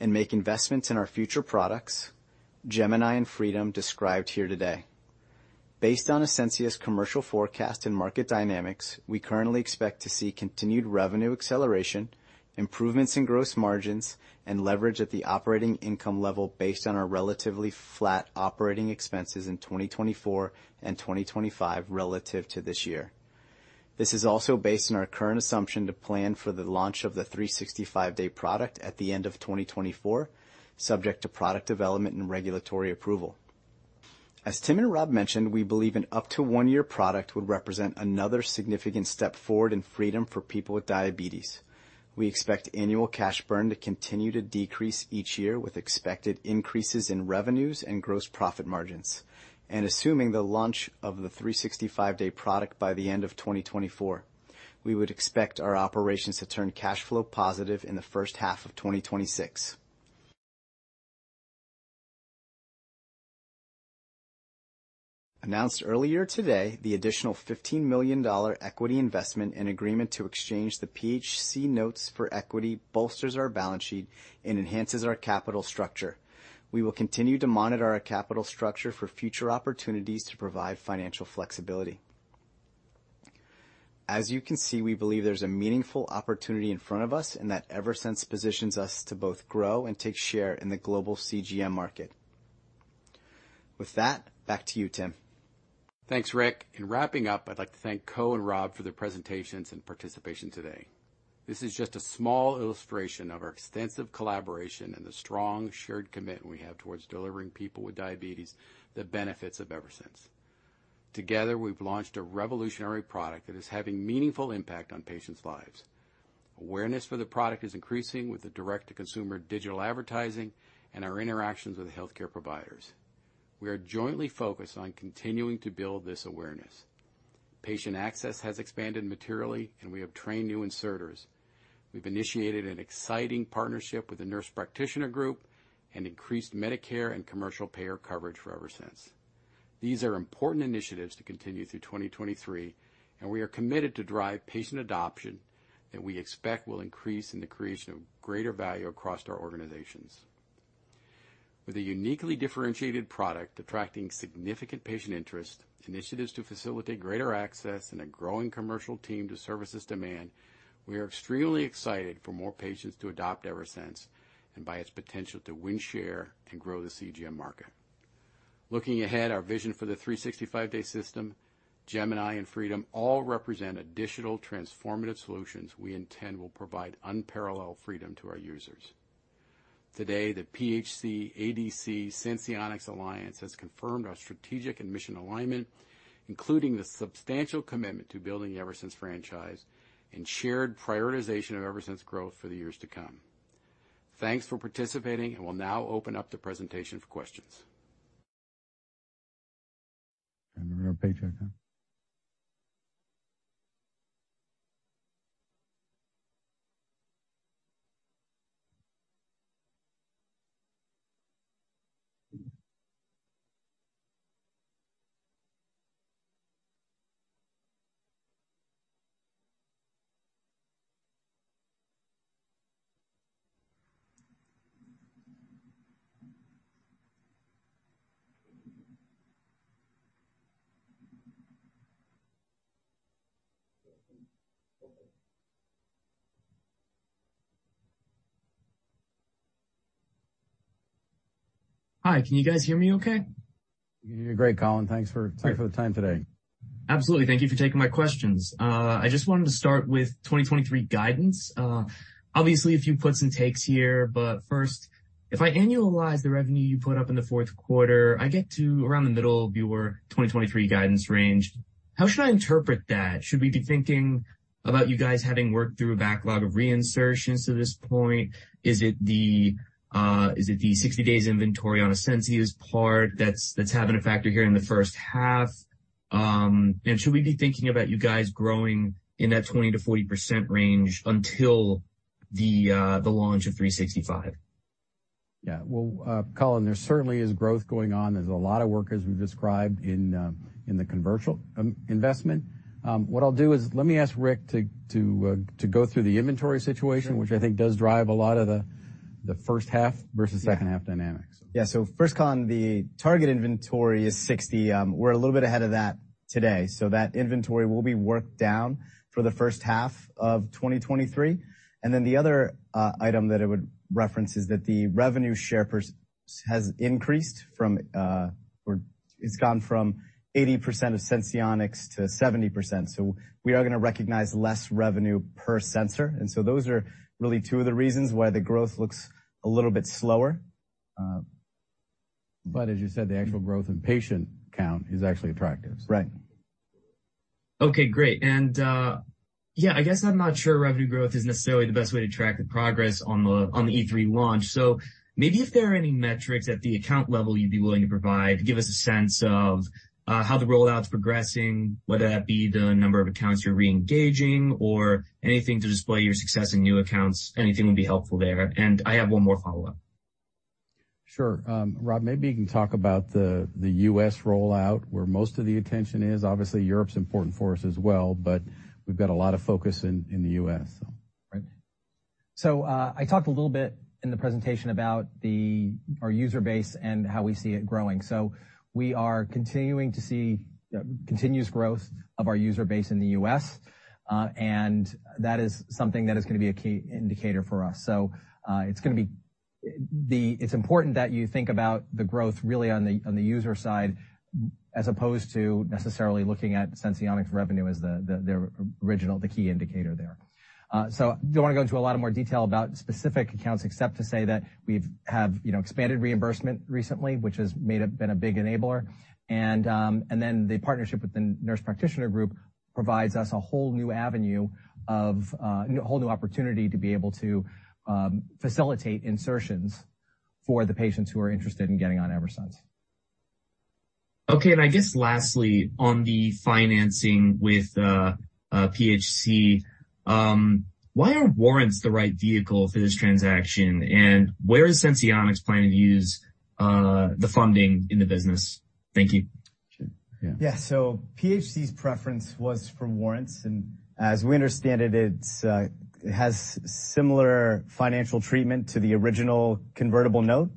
and make investments in our future products, Gemini and Freedom, described here today. Based on Ascensia's commercial forecast and market dynamics, we currently expect to see continued revenue acceleration, improvements in gross margins, and leverage at the operating income level based on our relatively flat operating expenses in 2024 and 2025 relative to this year. This is also based on our current assumption to plan for the launch of the 365-day product at the end of 2024, subject to product development and regulatory approval. As Tim and Rob mentioned, we believe an up to one-year product would represent another significant step forward in freedom for people with diabetes. We expect annual cash burn to continue to decrease each year with expected increases in revenues and gross profit margins. Assuming the launch of the 365-day product by the end of 2024, we would expect our operations to turn cash flow positive in the first half of 2026. Announced earlier today, the additional $15 million equity investment and agreement to exchange the PHC notes for equity bolsters our balance sheet and enhances our capital structure. We will continue to monitor our capital structure for future opportunities to provide financial flexibility. As you can see, we believe there's a meaningful opportunity in front of us and that Eversense positions us to both grow and take share in the global CGM market. With that, back to you, Tim. Thanks, Rick. In wrapping up, I'd like to thank Ko and Rob for their presentations and participation today. This is just a small illustration of our extensive collaboration and the strong shared commitment we have towards delivering people with diabetes the benefits of Eversense. Together, we've launched a revolutionary product that is having meaningful impact on patients' lives. Awareness for the product is increasing with the direct-to-consumer digital advertising and our interactions with healthcare providers. We are jointly focused on continuing to build this awareness. Patient access has expanded materially, and we have trained new inserters. We've initiated an exciting partnership with the Nurse Practitioner Group and increased Medicare and commercial payer coverage for Eversense. These are important initiatives to continue through 2023, and we are committed to drive patient adoption that we expect will increase in the creation of greater value across our organizations. With a uniquely differentiated product attracting significant patient interest, initiatives to facilitate greater access, and a growing commercial team to service this demand, we are extremely excited for more patients to adopt Eversense and by its potential to win, share, and grow the CGM market. Looking ahead, our vision for the 365-day system, Gemini and Freedom all represent additional transformative solutions we intend will provide unparalleled freedom to our users. Today, the PHC-ADC Senseonics Alliance has confirmed our strategic and mission alignment, including the substantial commitment to building the Eversense franchise and shared prioritization of Eversense growth for the years to come. Thanks for participating, we'll now open up the presentation for questions. We're on page right now. Hi. Can you guys hear me okay? You're great, Colin. Thanks for the time today. Absolutely. Thank you for taking my questions. I just wanted to start with 2023 guidance. Obviously a few puts and takes here, first, if I annualize the revenue you put up in the fourth quarter, I get to around the middle of your 2023 guidance range. How should I interpret that? Should we be thinking about you guys having worked through a backlog of reinsertions to this point? Is it the, is it the 60 days inventory on a Senseonics part that's having a factor here in the first half? Should we be thinking about you guys growing in that 20%-40% range until the launch of 365? Well, Colin, there certainly is growth going on. There's a lot of work, as we've described in the commercial investment. What I'll do is let me ask Rick to go through the inventory situation, which I think does drive a lot of the first half versus second half dynamics. First, Colin, the target inventory is 60. We're a little bit ahead of that today, so that inventory will be worked down for the first half of 2023. The other item that I would reference is that the revenue share per se has increased from or it's gone from 80% of Senseonics to 70%. We are gonna recognize less revenue per sensor. Those are really two of the reasons why the growth looks a little bit slower. As you said, the actual growth in patient count is actually attractive. Right. Okay, great. I guess I'm not sure revenue growth is necessarily the best way to track the progress on the E3 launch. Maybe if there are any metrics at the account level you'd be willing to provide to give us a sense of how the rollout's progressing, whether that be the number of accounts you're reengaging or anything to display your success in new accounts. Anything would be helpful there. I have one more follow-up. Sure. Rob, maybe you can talk about the U.S. rollout, where most of the attention is. Obviously, Europe's important for us as well, but we've got a lot of focus in the U.S. Right. I talked a little bit in the presentation about our user base and how we see it growing. We are continuing to see continuous growth of our user base in the U.S., and that is something that is gonna be a key indicator for us. It's important that you think about the growth really on the user side as opposed to necessarily looking at Senseonics revenue as the original, the key indicator there. Don't wanna go into a lot of more detail about specific accounts except to say that we've, have, you know, expanded reimbursement recently, which has been a big enabler. The partnership with the Nurse Practitioner Group provides us a whole new avenue of, whole new opportunity to be able to facilitate insertions for the patients who are interested in getting on Eversense. Okay. I guess lastly, on the financing with PHC, why are warrants the right vehicle for this transaction? Where is Senseonics planning to use the funding in the business? Thank you. Sure. Yeah. Yeah. PHC's preference was for warrants, and as we understand it's has similar financial treatment to the original convertible note.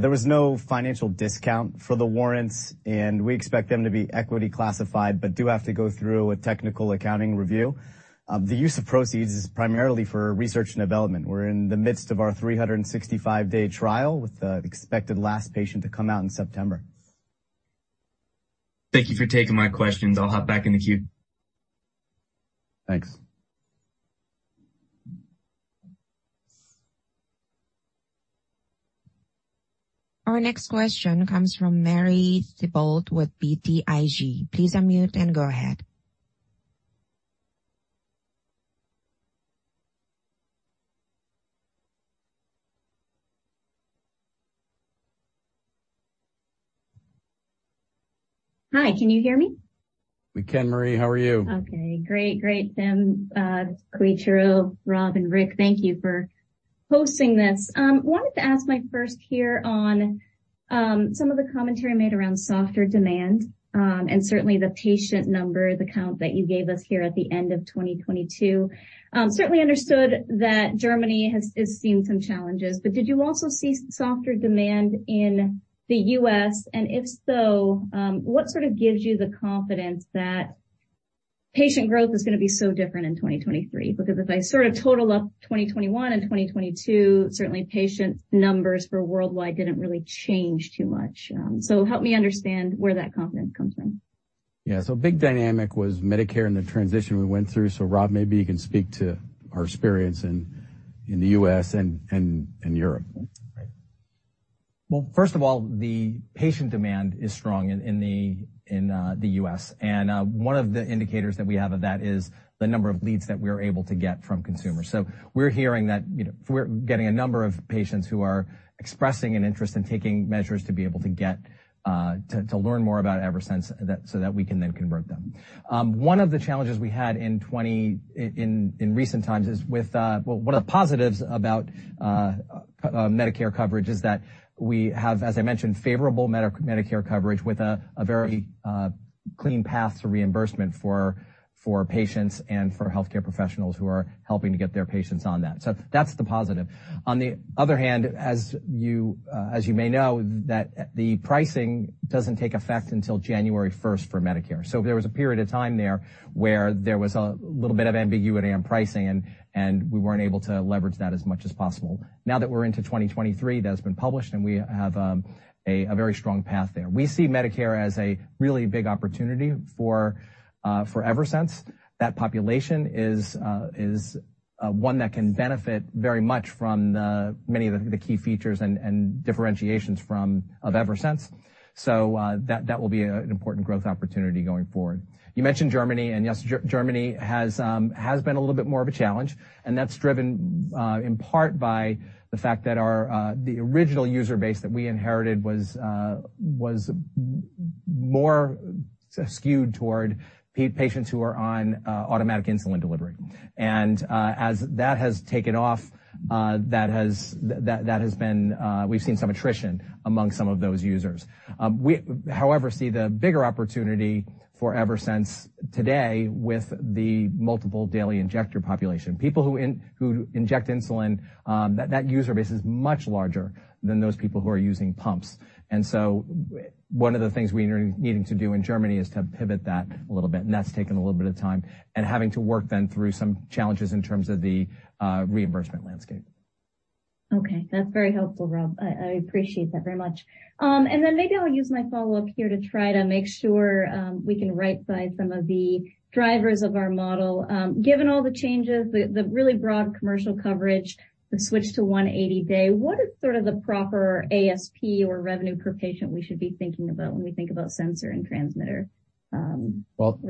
There was no financial discount for the warrants, and we expect them to be equity classified but do have to go through a technical accounting review. The use of proceeds is primarily for research and development. We're in the midst of our 365-day trial with the expected last patient to come out in September. Thank you for taking my questions. I'll hop back in the queue. Thanks. Our next question comes from Marie Thibault with BTIG. Please unmute and go ahead. Hi, can you hear me? We can, Marie. How are you? Okay, great. Great, Tim, Koichiro, Rob, and Rick, thank you for hosting this. Wanted to ask my first here on some of the commentary made around softer demand, and certainly the patient number, the count that you gave us here at the end of 2022. Certainly understood that Germany is seeing some challenges, but did you also see softer demand in the U.S.? If so, what sort of gives you the confidence that patient growth is gonna be so different in 2023? Because if I sort of total up 2021 and 2022, certainly patient numbers for worldwide didn't really change too much. Help me understand where that confidence comes from. Yeah. Big dynamic was Medicare and the transition we went through. Rob, maybe you can speak to our experience in the U.S. and, and Europe. Well, first of all, the patient demand is strong in the U.S. and one of the indicators that we have of that is the number of leads that we're able to get from consumers. We're hearing that, you know, we're getting a number of patients who are expressing an interest in taking measures to be able to get to learn more about Eversense so that we can then convert them. One of the challenges we had in recent times is with, well, one of the positives about Medicare coverage is that we have, as I mentioned, favorable Medicare coverage with a very clean path to reimbursement for patients and for healthcare professionals who are helping to get their patients on that. That's the positive. On the other hand, as you may know, that the pricing doesn't take effect until January 1st for Medicare. There was a period of time there where there was a little bit of ambiguity on pricing, and we weren't able to leverage that as much as possible. Now that we're into 2023, that's been published, and we have a very strong path there. We see Medicare as a really big opportunity for Eversense. That population is one that can benefit very much from many of the key features and differentiations of Eversense. That will be an important growth opportunity going forward. You mentioned Germany, and yes, Germany has been a little bit more of a challenge, and that's driven in part by the fact that our the original user base that we inherited was more skewed toward patients who are on automated insulin delivery. As that has taken off, that has been, we've seen some attrition among some of those users. We, however, see the bigger opportunity for Eversense today with the multiple daily injector population. People who inject insulin, that user base is much larger than those people who are using pumps. One of the things we are needing to do in Germany is to pivot that a little bit, and that's taken a little bit of time, and having to work then through some challenges in terms of the reimbursement landscape. Okay. That's very helpful, Rob. I appreciate that very much. Maybe I'll use my follow-up here to try to make sure we can rightsize some of the drivers of our model. Given all the changes, the really broad commercial coverage, the switch to 180-day, what is sort of the proper ASP or revenue per patient we should be thinking about when we think about sensor and transmitter revenue? Well,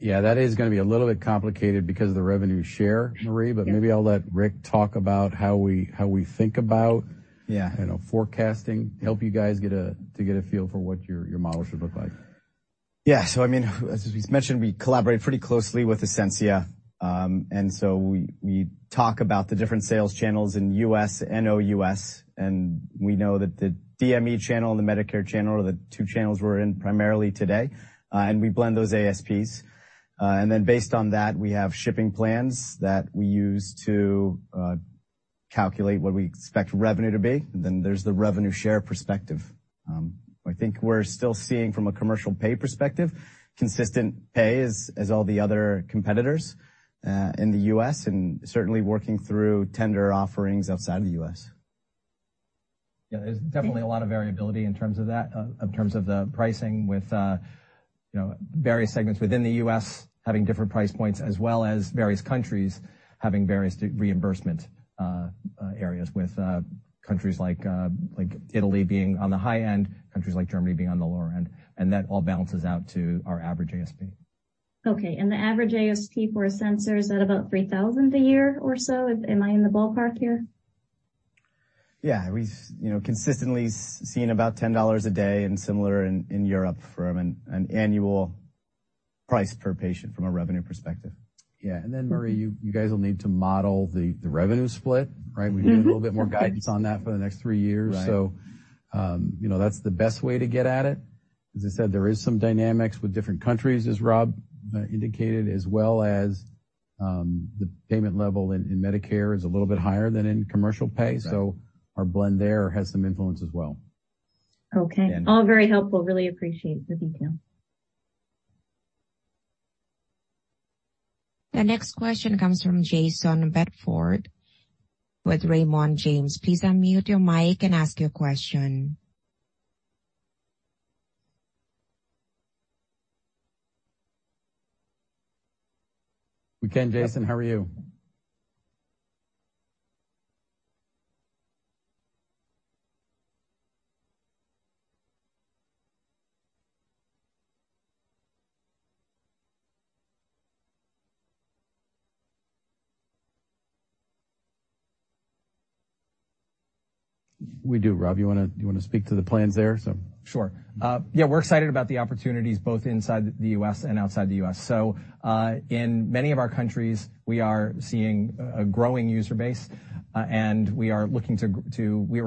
yeah, that is gonna be a little bit complicated because of the revenue share, Marie. Yeah. maybe I'll let Rick talk about how we think about. Yeah. you know, forecasting, help you guys to get a feel for what your model should look like. Yeah. I mean, as we've mentioned, we collaborate pretty closely with Ascensia. We talk about the different sales channels in U.S. and O.U.S., and we know that the DME channel and the Medicare channel are the two channels we're in primarily today, and we blend those ASPs. Based on that, we have shipping plans that we use to calculate what we expect revenue to be. There's the revenue share perspective. I think we're still seeing from a commercial pay perspective, consistent pay as all the other competitors in the U.S. and certainly working through tender offerings outside the U.S. Yeah. There's definitely a lot of variability in terms of that, in terms of the pricing with, you know, various segments within the U.S. having different price points, as well as various countries having various reimbursement, areas with, countries like Italy being on the high end, countries like Germany being on the lower end. That all balances out to our average ASP. Okay. The average ASP for a sensor, is that about $3,000 a year or so? Am I in the ballpark here? Yeah. We've, you know, consistently seen about $10 a day and similar in Europe from an annual price per patient from a revenue perspective. Yeah. Marie, you guys will need to model the revenue split, right? We need a little bit more guidance on that for the next three years. Right. You know, that's the best way to get at it. As I said, there is some dynamics with different countries, as Rob indicated, as well as the payment level in Medicare is a little bit higher than in commercial pay. Right. Our blend there has some influence as well. Okay. All very helpful. Really appreciate the detail. The next question comes from Jayson Bedford with Raymond James. Please unmute your mic and ask your question. We can, Jason, how are you? We do. Rob, you wanna speak to the plans there? Sure. Yeah, we're excited about the opportunities both inside the U.S. and outside the U.S. In many of our countries, we are seeing a growing user base, and we are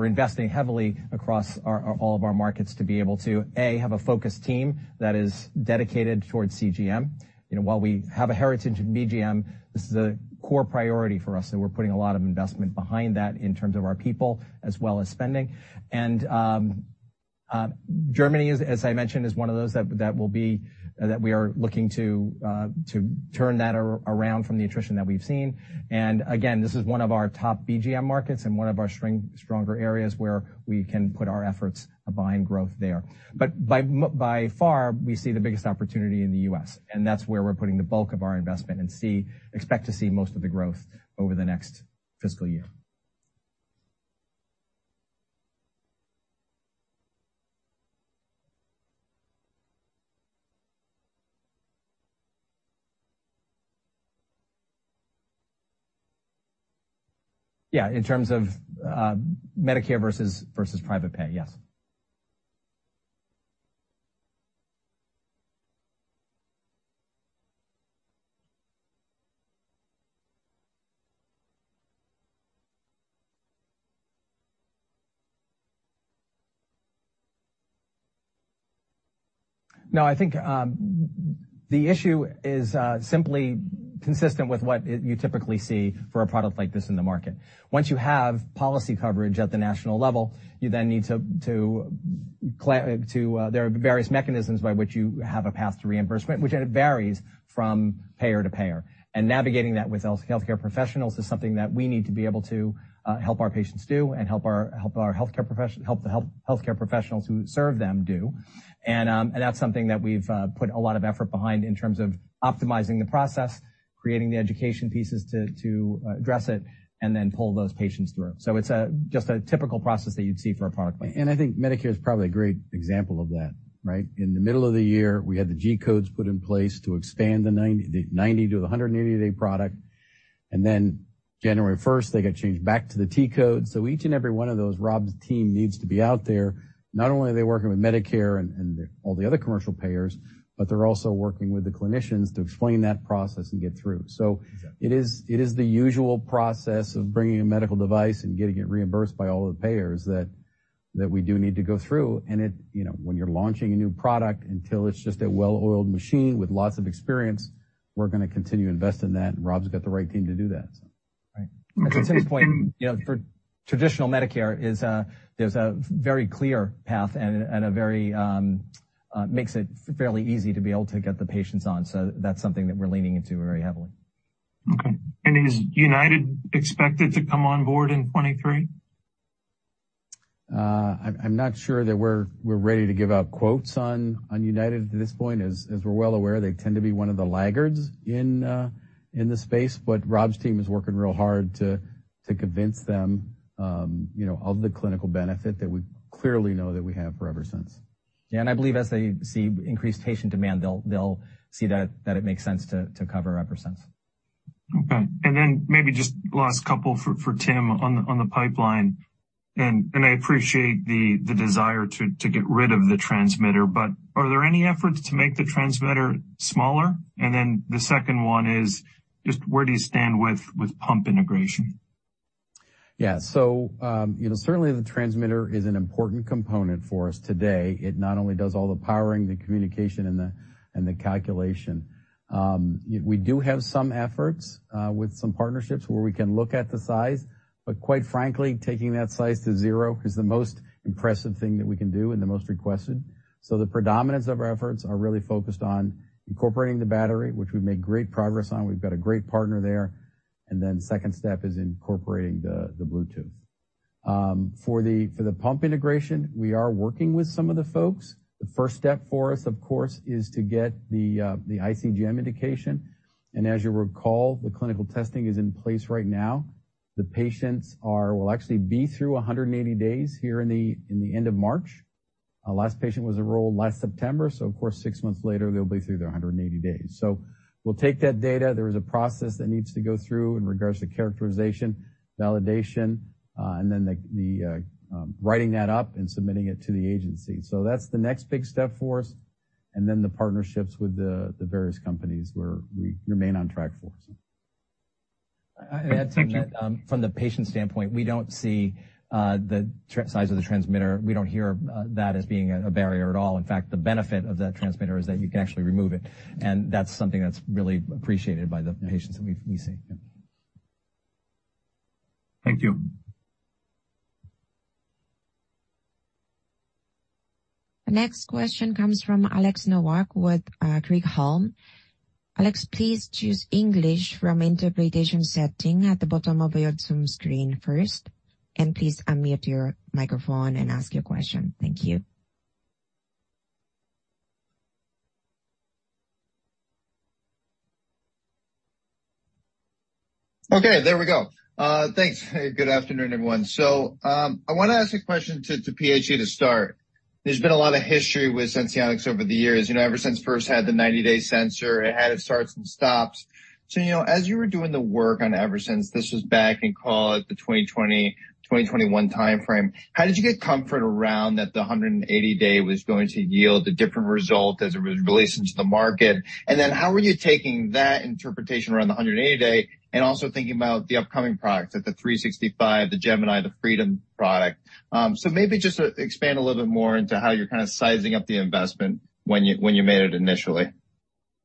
investing heavily across all of our markets to be able to, A, have a focused team that is dedicated towards CGM. You know, while we have a heritage in BGM, this is a core priority for us, we're putting a lot of investment behind that in terms of our people as well as spending. Germany is, as I mentioned, is one of those that we are looking to turn that around from the attrition that we've seen. Again, this is one of our top BGM markets and one of our stronger areas where we can put our efforts behind growth there. By far, we see the biggest opportunity in the U.S., and that's where we're putting the bulk of our investment and expect to see most of the growth over the next fiscal year. In terms of Medicare versus private pay, yes. I think the issue is simply consistent with what you typically see for a product like this in the market. Once you have policy coverage at the national level, you then need to, there are various mechanisms by which you have a path to reimbursement, which, and it varies from payer-to-payer. Navigating that with healthcare professionals is something that we need to be able to help our patients do and help our healthcare professionals who serve them do. That's something that we've put a lot of effort behind in terms of optimizing the process, creating the education pieces to address it, and then pull those patients through. It's a just a typical process that you'd see for a product like that. I think Medicare is probably a great example of that, right? In the middle of the year, we had the G-codes put in place to expand the 90 to a 180-day product. January 1st, they got changed back to the T-code. Each and every one of those, Rob's team needs to be out there. Not only are they working with Medicare and all the other commercial payers, but they're also working with the clinicians to explain that process and get through. Yeah. It is, it is the usual process of bringing a medical device and getting it reimbursed by all the payers that we do need to go through. It, you know, when you're launching a new product, until it's just a well-oiled machine with lots of experience, we're gonna continue to invest in that, and Rob's got the right team to do that, so. Right. As I said this point, you know, for traditional Medicare is, there's a very clear path and a very makes it fairly easy to be able to get the patients on. That's something that we're leaning into very heavily. Okay. Is United expected to come on board in 2023? I'm not sure that we're ready to give out quotes on United at this point. As we're well aware, they tend to be one of the laggards in the space, but Rob's team is working real hard to convince them, you know, of the clinical benefit that we clearly know that we have for Eversense. Yeah, I believe as they see increased patient demand, they'll see that it makes sense to cover Eversense. Okay. Maybe just last couple for Tim on the pipeline. I appreciate the desire to get rid of the transmitter, but are there any efforts to make the transmitter smaller? The second one is just where do you stand with pump integration? You know, certainly the transmitter is an important component for us today. It not only does all the powering, the communication, and the calculation. We do have some efforts with some partnerships where we can look at the size, but quite frankly, taking that size to zero is the most impressive thing that we can do and the most requested. The predominance of our efforts are really focused on incorporating the battery, which we've made great progress on. We've got a great partner there. Second step is incorporating the Bluetooth. For the pump integration, we are working with some of the folks. The first step for us, of course, is to get the iCGM indication. As you recall, the clinical testing is in place right now. The patients will actually be through 180 days here in the end of March. Our last patient was enrolled last September, so of course, six months later, they'll be through their 180 days. We'll take that data. There is a process that needs to go through in regards to characterization, validation, and then the writing that up and submitting it to the agency. That's the next big step for us, and then the partnerships with the various companies where we remain on track for. I'd add to that, from the patient standpoint, we don't see the size of the transmitter. We don't hear that as being a barrier at all. In fact, the benefit of that transmitter is that you can actually remove it, and that's something that's really appreciated by the patients that we've, we see. Yeah. Thank you. The next question comes from Alexander Nowak with Craig-Hallum. Alex, please choose English from interpretation setting at the bottom of your Zoom screen first, and please unmute your microphone and ask your question. Thank you. Okay, there we go. Thanks. Good afternoon, everyone. I wanna ask a question to PHC to start. There's been a lot of history with Senseonics over the years. You know, ever since it first had the 90-day sensor, it had its starts and stops. You know, as you were doing the work on Eversense, this was back in, call it, the 2020, 2021 timeframe, how did you get comfort around that the 180-day was going to yield a different result as it was released into the market? How were you taking that interpretation around the 180-day and also thinking about the upcoming products at the 365, the Gemini, the Freedom product? Maybe just expand a little bit more into how you're kind of sizing up the investment when you, when you made it initially.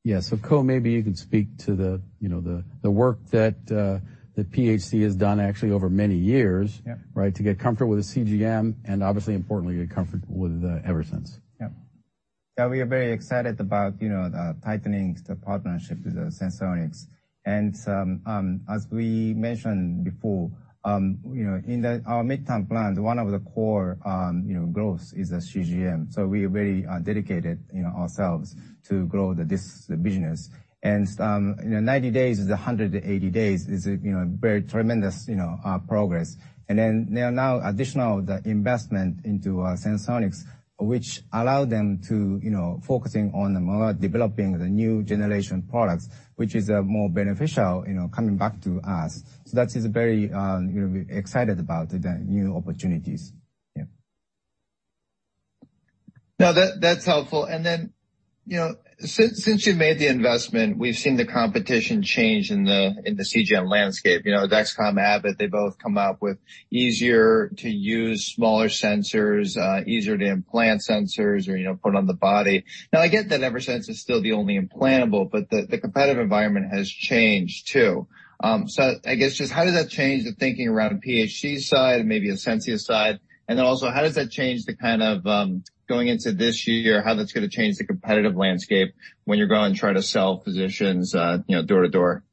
Yeah. Ko, maybe you could speak to the, you know, the work that PHC has done actually over many years. Yeah. Right? To get comfortable with the CGM and obviously importantly, get comfortable with the Eversense. Yeah. Yeah, we are very excited about, you know, tightening the partnership with Senseonics. Some, as we mentioned before, you know, our midterm plans, one of the core, you know, growth is the CGM. We very dedicated, you know, ourselves to grow this business. Some, you know, 90 days is 180 days is, you know, very tremendous, you know, progress. Then there are now additional investment into Senseonics, which allow them to, you know, focusing on the more developing the new generation products, which is more beneficial, you know, coming back to us. That is very, you know, we're excited about the new opportunities. Yeah. No, that's helpful. You know, since you've made the investment, we've seen the competition change in the CGM landscape. You know, Dexcom, Abbott, they both come out with easier to use smaller sensors, easier to implant sensors or, you know, put on the body. Now, I get that Eversense is still the only implantable, but the competitive environment has changed too. I guess just how does that change the thinking around PHC side and maybe the Ascensia side? How does that change the kind of, going into this year, how that's gonna change the competitive landscape when you're going try to sell physicians, you know, door to door?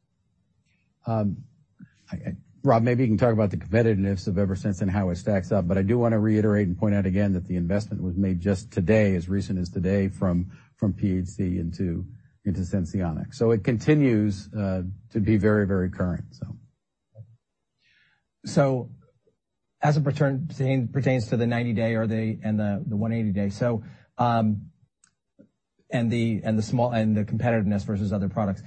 Rob, maybe you can talk about the competitiveness of Eversense and how it stacks up, but I do wanna reiterate and point out again that the investment was made just today, as recent as today, from PHC into Senseonics. It continues to be very, very current, so. As it pertains to the 90-day or the 180-day. And the competitiveness versus other products.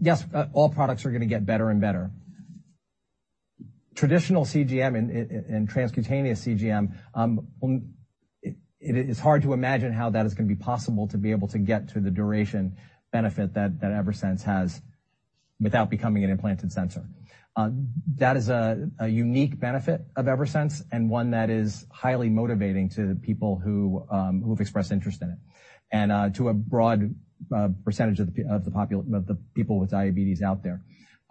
Yes, all products are gonna get better and better. Traditional CGM and transcutaneous CGM, it is hard to imagine how that is gonna be possible to be able to get to the duration benefit that Eversense has without becoming an implanted sensor. That is a unique benefit of Eversense and one that is highly motivating to the people who have expressed interest in it and to a broad percentage of the people with diabetes out there.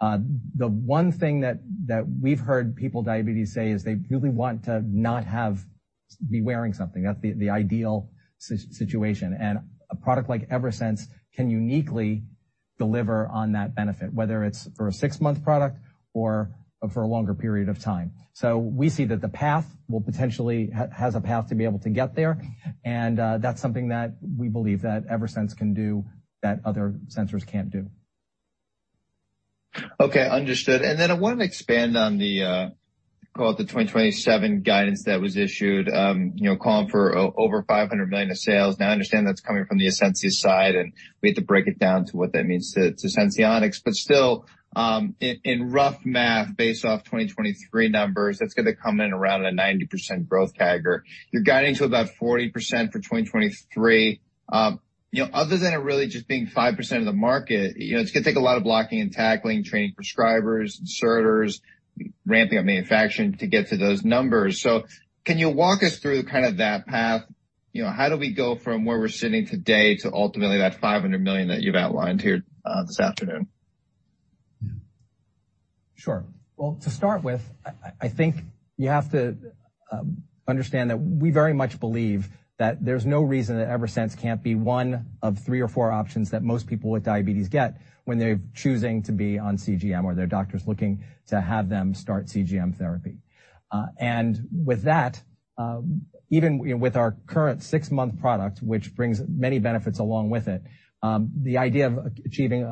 The one thing that we've heard people with diabetes say is they really want to not have to be wearing something. That's the ideal situation. A product like Eversense can uniquely deliver on that benefit, whether it's for a six-month product or for a longer period of time. We see that the path has a path to be able to get there. That's something that we believe that Eversense can do that other sensors can't do. Okay, understood. I wanted to expand on the, call it the 2027 guidance that was issued, you know, calling for over $500 million of sales. Now, I understand that's coming from the Ascensia side, and we have to break it down to what that means to Senseonics. Still, in rough math based off 2023 numbers, that's gonna come in around a 90% growth CAGR. You're guiding to about 40% for 2023. You know, other than it really just being 5% of the market, you know, it's gonna take a lot of blocking and tackling, training prescribers, inserters, ramping up manufacturing to get to those numbers. Can you walk us through kind of that path? You know, how do we go from where we're sitting today to ultimately that $500 million that you've outlined here, this afternoon? Sure. Well, to start with, I think you have to understand that we very much believe that there's no reason that Eversense can't be one of three or four options that most people with diabetes get when they're choosing to be on CGM or their doctors looking to have them start CGM therapy. With that, even with our current six-month product, which brings many benefits along with it, the idea of achieving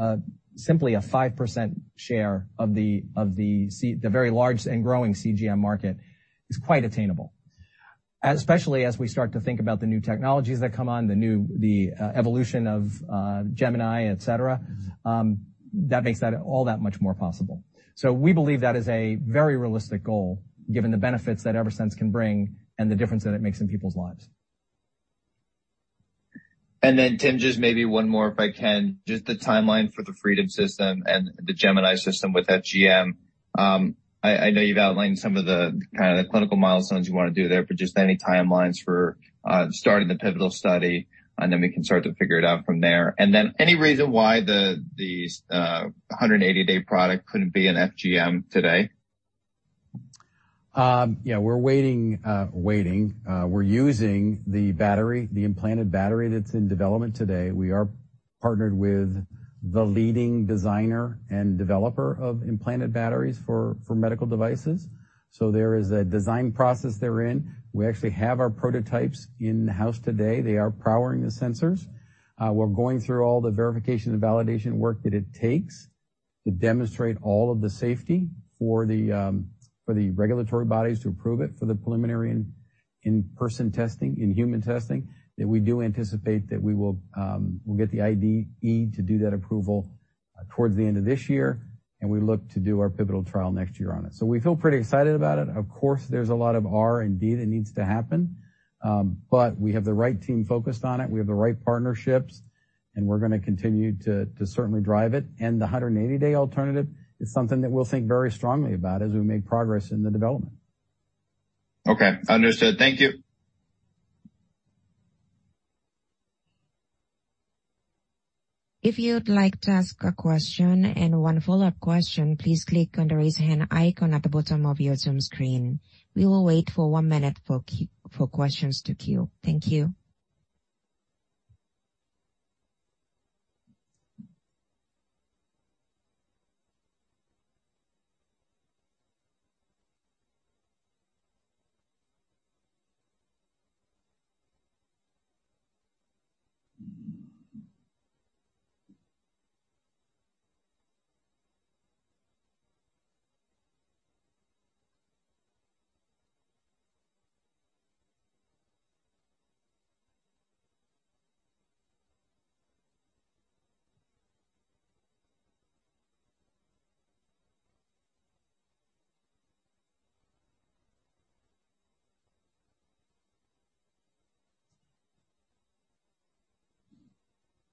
simply a 5% share of the very large and growing CGM market is quite attainable. Especially as we start to think about the new technologies that come on, the new, the evolution of Gemini, et cetera, that makes that all that much more possible. We believe that is a very realistic goal, given the benefits that Eversense can bring and the difference that it makes in people's lives. Tim, just maybe more, if I can. Just the timeline for the Freedom system and the Gemini system with FGM. I know you've outlined some of the, kind of the clinical milestones you wanna do there, but just any timelines for starting the pivotal study, and then we can start to figure it out from there. Any reason why the 180-day product couldn't be an FGM today? Yeah, we're waiting. We're using the battery, the implanted battery that's in development today. We are partnered with the leading designer and developer of implanted batteries for medical devices. There is a design process they're in. We actually have our prototypes in-house today. They are powering the sensors. We're going through all the verification and validation work that it takes to demonstrate all of the safety for the regulatory bodies to approve it for the preliminary in-person testing, in human testing. We do anticipate that we will get the IDE to do that approval towards the end of this year, and we look to do our pivotal trial next year on it. We feel pretty excited about it. Of course, there's a lot of R&D that needs to happen. We have the right team focused on it. We have the right partnerships, we're gonna continue to certainly drive it. The 180-day alternative is something that we'll think very strongly about as we make progress in the development. Okay. Understood. Thank you. If you'd like to ask a question and one follow-up question, please click on the Raise Hand icon at the bottom of your Zoom screen. We will wait for one minute for questions to queue. Thank you.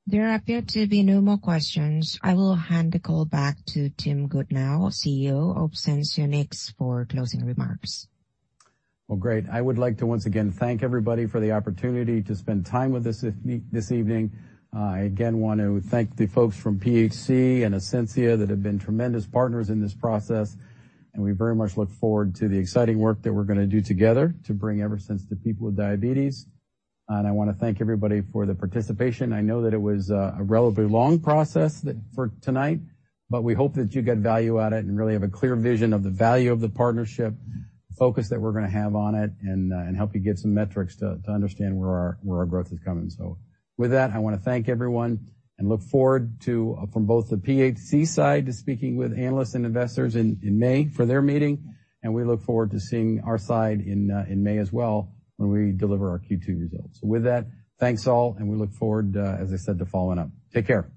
There appear to be no more questions. I will hand the call back to Tim Goodnow, CEO of Senseonics, for closing remarks. Well, great. I would like to once again thank everybody for the opportunity to spend time with us this evening. Again, want to thank the folks from PHC and Ascensia that have been tremendous partners in this process, and we very much look forward to the exciting work that we're gonna do together to bring Eversense to people with diabetes. I wanna thank everybody for the participation. I know that it was a relatively long process for tonight, but we hope that you get value out it and really have a clear vision of the value of the partnership focus that we're gonna have on it and help you get some metrics to understand where our growth is coming. With that, I wanna thank everyone and look forward to from both the PHC side to speaking with analysts and investors in May for their meeting. We look forward to seeing our side in May as well when we deliver our Q2 results. With that, thanks all, and we look forward, as I said, to following up. Take care.